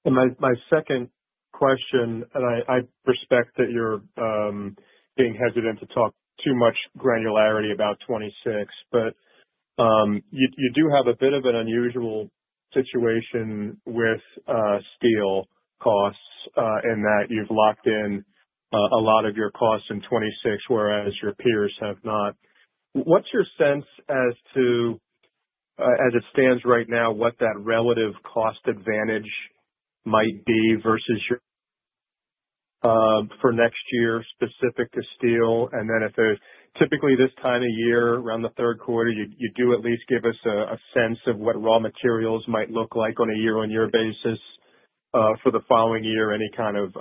And my second question, and I respect that you're being hesitant to talk too much granularity about 2026, but you do have a bit of an unusual situation with steel costs in that you've locked in a lot of your costs in 2026, whereas your peers have not. What's your sense as it stands right now, what that relative cost advantage might be versus yours for next year specific to steel? And then if there's typically this time of year, around the third quarter, you do at least give us a sense of what raw materials might look like on a year-on-year basis for the following year, any kind of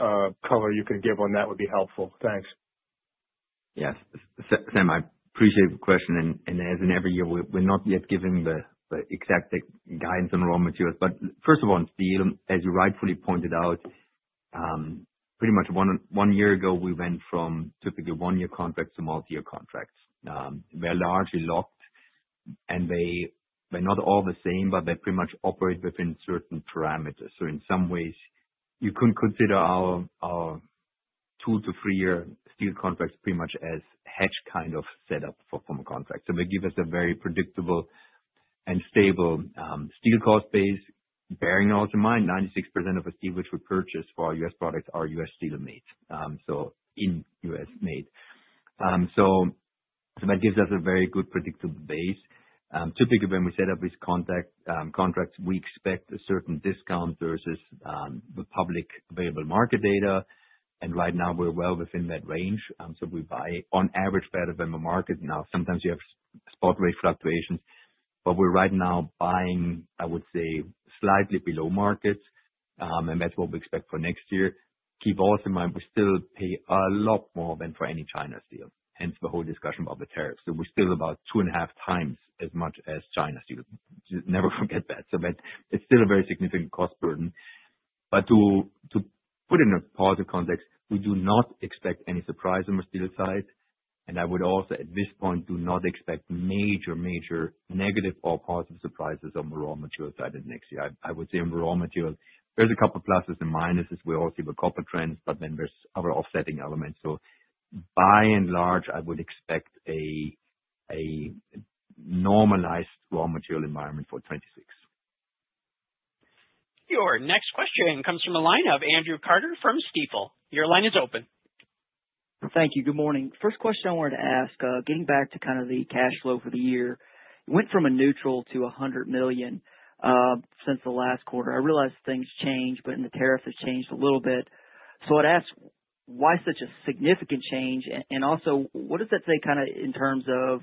color you can give on that would be helpful. Thanks. Yes. Sam, I appreciate the question. And as in every year, we're not yet giving the exact guidance on raw materials. But first of all, in steel, as you rightfully pointed out, pretty much one year ago, we went from typically one-year contracts to multi-year contracts. They're largely locked, and they're not all the same, but they pretty much operate within certain parameters. So in some ways, you couldn't consider our two- to three-year steel contracts pretty much as hedge kind of setup for former contracts. So they give us a very predictable and stable steel cost base. Bearing also in mind, 96% of the steel which we purchase for our U.S. products are U.S. steel made. So in U.S.-made. So that gives us a very good predictable base. Typically, when we set up these contracts, we expect a certain discount versus the public available market data, and right now, we're well within that range. So we buy, on average, better than the market. Now, sometimes you have spot rate fluctuations, but we're right now buying, I would say, slightly below markets, and that's what we expect for next year. Keep also in mind, we still pay a lot more than for any China steel, hence the whole discussion about the tariffs. So we're still about two and a half times as much as China steel. Never forget that. So it's still a very significant cost burden. But to put it in a positive context, we do not expect any surprise on the steel side. And I would also, at this point, do not expect major, major negative or positive surprises on the raw material side in the next year. I would say on the raw material, there's a couple of pluses and minuses. We also have a couple of trends, but then there's other offsetting elements. So by and large, I would expect a normalized raw material environment for 2026. Your next question comes from the line of Andrew Carter from Stifel. Your line is open. Thank you. Good morning. First question I wanted to ask, getting back to kind of the cash flow for the year, went from a neutral to $100 million since the last quarter. I realized things changed, but in the tariffs, it's changed a little bit. So I'd ask, why such a significant change? And also, what does that say kind of in terms of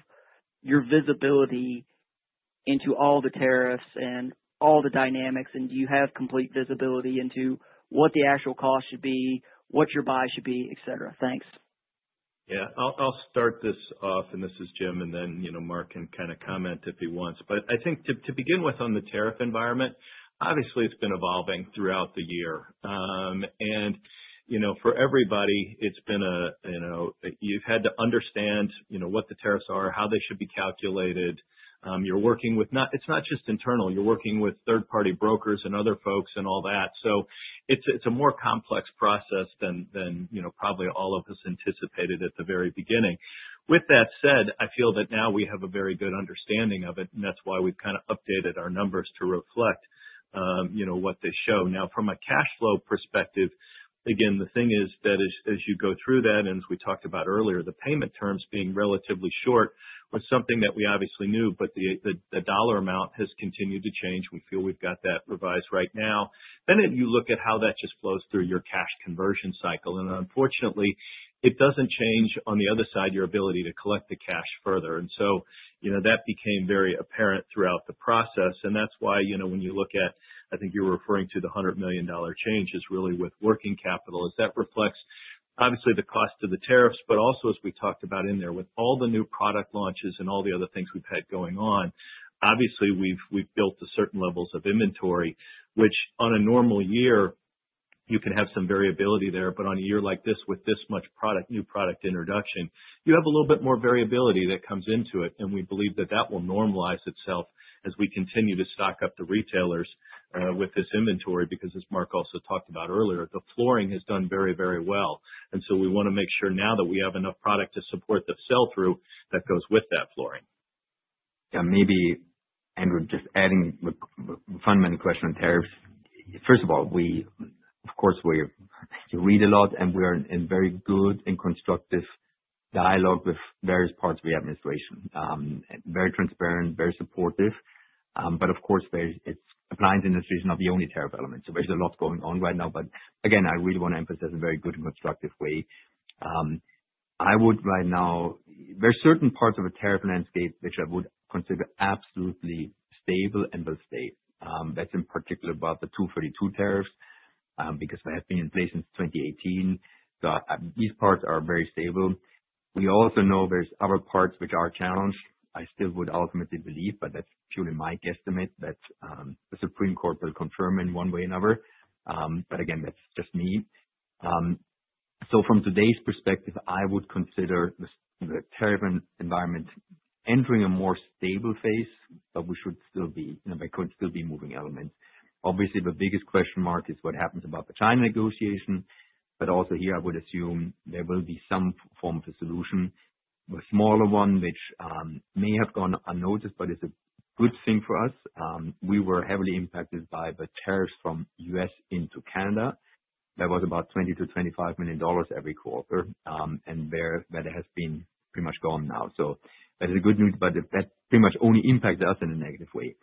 your visibility into all the tariffs and all the dynamics? And do you have complete visibility into what the actual cost should be, what your buy should be, etc.? Thanks. Yeah. I'll start this off, and this is Jim, and then Marc can kind of comment if he wants, but I think to begin with, on the tariff environment, obviously, it's been evolving throughout the year, and for everybody, it's been a, you've had to understand what the tariffs are, how they should be calculated. It's not just internal. You're working with third-party brokers and other folks and all that, so it's a more complex process than probably all of us anticipated at the very beginning. With that said, I feel that now we have a very good understanding of it, and that's why we've kind of updated our numbers to reflect what they show. Now, from a cash flow perspective, again, the thing is that as you go through that, and as we talked about earlier, the payment terms being relatively short was something that we obviously knew, but the dollar amount has continued to change. We feel we've got that revised right now, then you look at how that just flows through your cash conversion cycle, and unfortunately, it doesn't change on the other side, your ability to collect the cash further. And so that became very apparent throughout the process. And that's why when you look at, I think you're referring to the $100 million change is really with working capital, as that reflects obviously the cost of the tariffs, but also, as we talked about in there, with all the new product launches and all the other things we've had going on, obviously, we've built to certain levels of inventory, which on a normal year, you can have some variability there. But on a year like this, with this much new product introduction, you have a little bit more variability that comes into it. And we believe that that will normalize itself as we continue to stock up the retailers with this inventory because, as Marc also talked about earlier, the flooring has done very, very well. And so we want to make sure now that we have enough product to support the sell-through that goes with that flooring. Yeah. Maybe Andrew, just adding a fundamental question on tariffs. First of all, of course, we read a lot, and we are in very good and constructive dialogue with various parts of the administration. Very transparent, very supportive. But of course, appliance industry is not the only tariff element. So there's a lot going on right now. But again, I really want to emphasize a very good and constructive way. I would right now, there are certain parts of a tariff landscape which I would consider absolutely stable and will stay. That's in particular about the 232 tariffs because they have been in place since 2018. So these parts are very stable. We also know there's other parts which are challenged. I still would ultimately believe, but that's purely my guesstimate. The Supreme Court will confirm in one way or another, but again, that's just me, so from today's perspective, I would consider the tariff environment entering a more stable phase, but we should still be there could still be moving elements. Obviously, the biggest question mark is what happens about the China negotiation, but also here, I would assume there will be some form of a solution, a smaller one, which may have gone unnoticed, but it's a good thing for us. We were heavily impacted by the tariffs from US into Canada. That was about $20 million-$25 million every quarter, and that has been pretty much gone now, so that is good news, but that pretty much only impacts us in a negative way.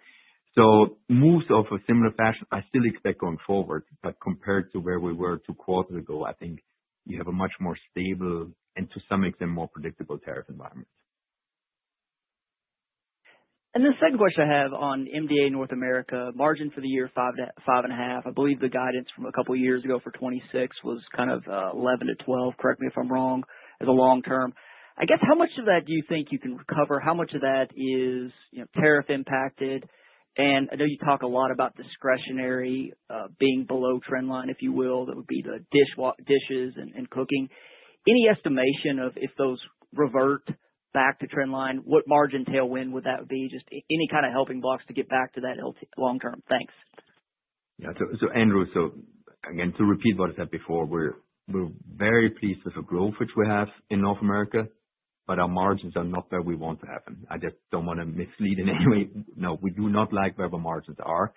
So moves of a similar fashion, I still expect going forward, but compared to where we were two quarters ago, I think you have a much more stable and, to some extent, more predictable tariff environment. And the second question I have on MDA North America, margin for the year 5.5. I believe the guidance from a couple of years ago for 2026 was kind of 11-12. Correct me if I'm wrong. As a long-term, I guess how much of that do you think you can recover? How much of that is tariff-impacted? And I know you talk a lot about discretionary being below trend line, if you will. That would be the dishes and cooking. Any estimation of if those revert back to trend line, what margin tailwind would that be? Just any kind of helping blocks to get back to that long-term. Thanks. Yeah. So, Andrew, so again, to repeat what I said before, we're very pleased with the growth which we have in North America, but our margins are not where we want to happen. I just don't want to mislead in any way. No, we do not like where the margins are.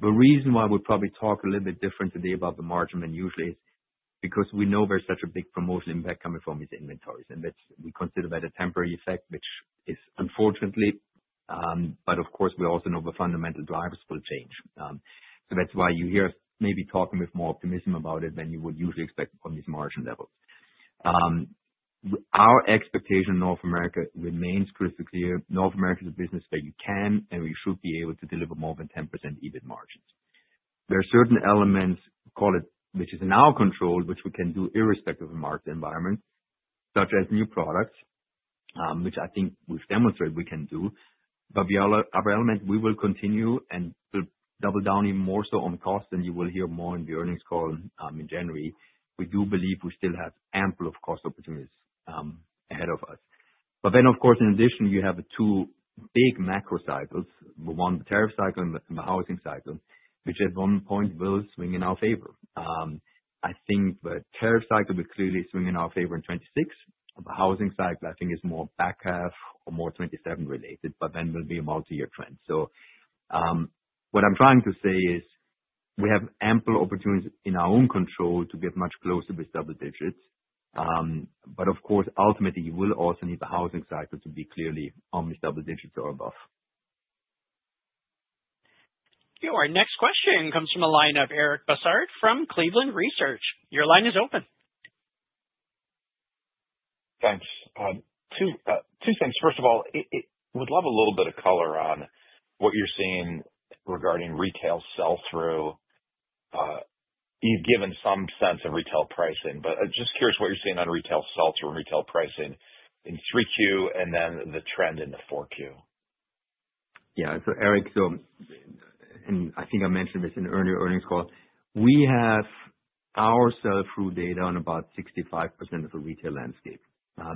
The reason why we probably talk a little bit different today about the margin than usually is because we know there's such a big promotional impact coming from these inventories, and we consider that a temporary effect, which is, unfortunately. But of course, we also know the fundamental drivers will change, so that's why you hear us maybe talking with more optimism about it than you would usually expect on these margin levels. Our expectation in North America remains crystal clear. North America is a business that you can and you should be able to deliver more than 10% EBIT margins. There are certain elements, call it, which is in our control, which we can do irrespective of the market environment, such as new products, which I think we've demonstrated we can do. But our element, we will continue and double down even more so on cost, and you will hear more in the earnings call in January. We do believe we still have ample cost opportunities ahead of us. But then, of course, in addition, you have two big macro cycles, the one, the tariff cycle and the housing cycle, which at one point will swing in our favor. I think the tariff cycle will clearly swing in our favor in 2026. The housing cycle, I think, is more back half or more 2027 related, but then will be a multi-year trend. So what I'm trying to say is we have ample opportunities in our own control to get much closer to double digits. But of course, ultimately, you will also need the housing cycle to be clearly on the double digits or above. Your next question comes from a line of Eric Bosshard from Cleveland Research. Your line is open. Thanks. Two things. First of all, we'd love a little bit of color on what you're seeing regarding retail sell-through. You've given some sense of retail pricing, but I'm just curious what you're seeing on retail sell-through and retail pricing in 3Q and then the trend in the 4Q. Yeah. So, Eric, and I think I mentioned this in an earlier earnings call, we have our sell-through data on about 65% of the retail landscape.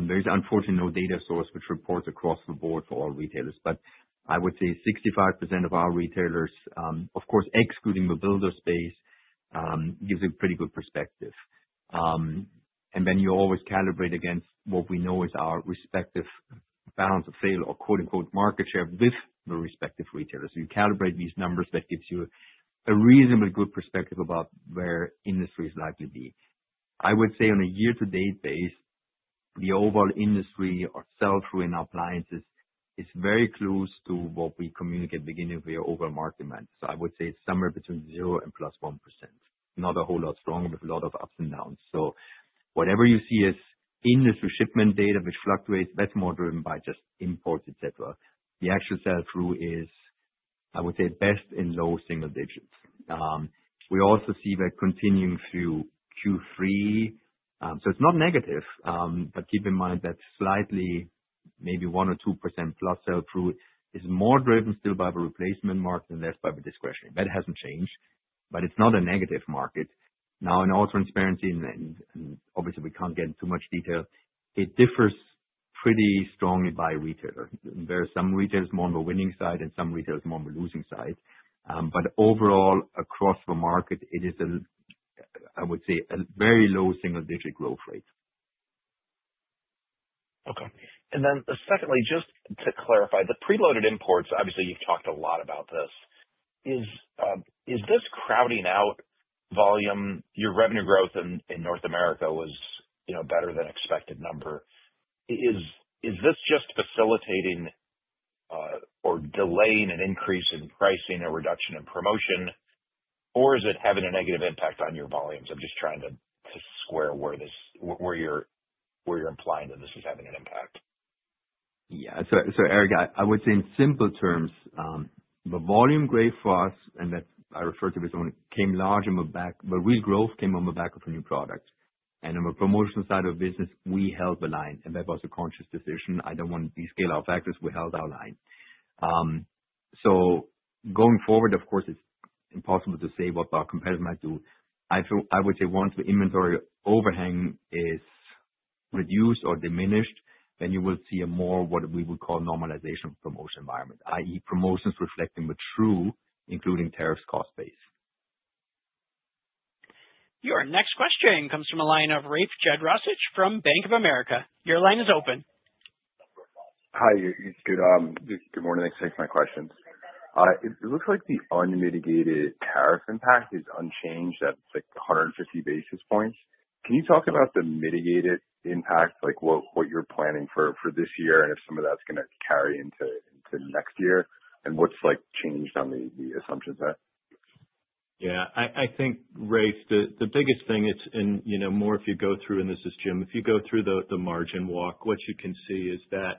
There is, unfortunately, no data source which reports across the board for all retailers, but I would say 65% of our retailers, of course, excluding the builder space, gives a pretty good perspective. And then you always calibrate against what we know is our respective balance of scale or "market share" with the respective retailers. You calibrate these numbers that gives you a reasonably good perspective about where industry is likely to be. I would say on a year-to-date basis, the overall industry, our sell-through in appliances is very close to what we communicate at the beginning of the overall market demand. So I would say it's somewhere between 0% and +1%. Not a whole lot stronger with a lot of ups and downs. So whatever you see as industry shipment data which fluctuates, that's more driven by just imports, etc. The actual sell-through is, I would say, best in low single digits. We also see that continuing through Q3. So it's not negative, but keep in mind that slightly, maybe 1 or 2% plus sell-through is more driven still by the replacement market and less by the discretionary. That hasn't changed, but it's not a negative market. Now, in all transparency, and obviously, we can't get into too much detail, it differs pretty strongly by retailer. There are some retailers more on the winning side and some retailers more on the losing side. But overall, across the market, it is, I would say, a very low single-digit growth rate. Okay. And then secondly, just to clarify, the preloaded imports, obviously, you've talked a lot about this. Is this crowding out volume? Your revenue growth in North America was better than expected number. Is this just facilitating or delaying an increase in pricing, a reduction in promotion, or is it having a negative impact on your volumes? I'm just trying to square where you're implying that this is having an impact. Yeah. So, Eric, I would say in simple terms, the volume grew for us, and that I refer to as came largely on the back, but real growth came on the back of a new product, and on the promotional side of business, we held the line, and that was a conscious decision. I don't want to de-scale our factories. We held our line, so going forward, of course, it's impossible to say what our competitors might do. I would say once the inventory overhang is reduced or diminished, then you will see a more what we would call normalization of promotion environment, i.e., promotions reflecting the true including tariffs cost base. Your next question comes from a line of Rafe Jadrosich from Bank of America. Your line is open. Hi. It's good. Good morning. Thanks for my questions. It looks like the unmitigated tariff impact is unchanged at 150 basis points. Can you talk about the mitigated impact, what you're planning for this year and if some of that's going to carry into next year and what's changed on the assumptions there? Yeah. I think, Rafe, the biggest thing is, and more if you go through, and this is Jim, if you go through the margin walk, what you can see is that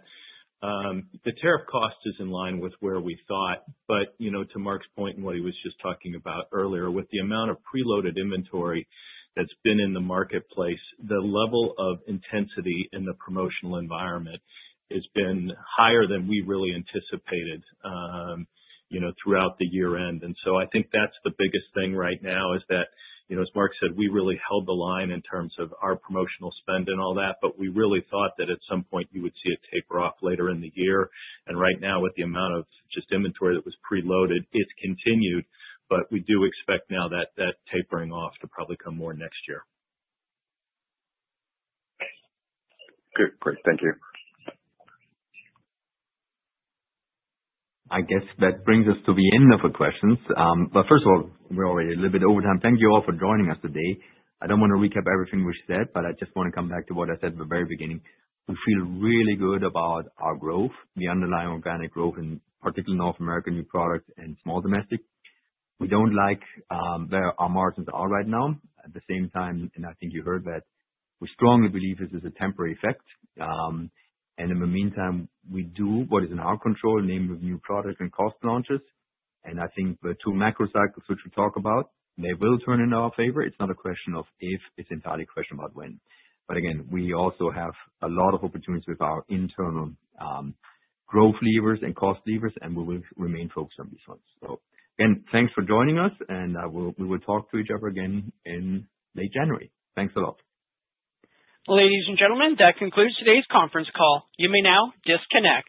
the tariff cost is in line with where we thought. But to Marc's point and what he was just talking about earlier, with the amount of preloaded inventory that's been in the marketplace, the level of intensity in the promotional environment has been higher than we really anticipated throughout the year-end. And so I think that's the biggest thing right now is that, as Marc said, we really held the line in terms of our promotional spend and all that, but we really thought that at some point you would see a taper off later in the year, and right now, with the amount of just inventory that was preloaded, it's continued, but we do expect now that tapering off to probably come more next year. Great. Thank you. I guess that brings us to the end of the questions, but first of all, we're already a little bit over time. Thank you all for joining us today. I don't want to recap everything we said, but I just want to come back to what I said at the very beginning. We feel really good about our growth, the underlying organic growth, in particular, North American new products and small domestic. We don't like where our margins are right now. At the same time, and I think you heard that, we strongly believe this is a temporary effect, and in the meantime, we do what is in our control, namely new product and cost launches, and I think the two macro cycles which we talk about, they will turn in our favor. It's not a question of if, it's entirely a question about when. But again, we also have a lot of opportunities with our internal growth levers and cost levers, and we will remain focused on these ones. Again, thanks for joining us, and we will talk to each other again in late January. Thanks a lot. Ladies and gentlemen, that concludes today's conference call. You may now disconnect.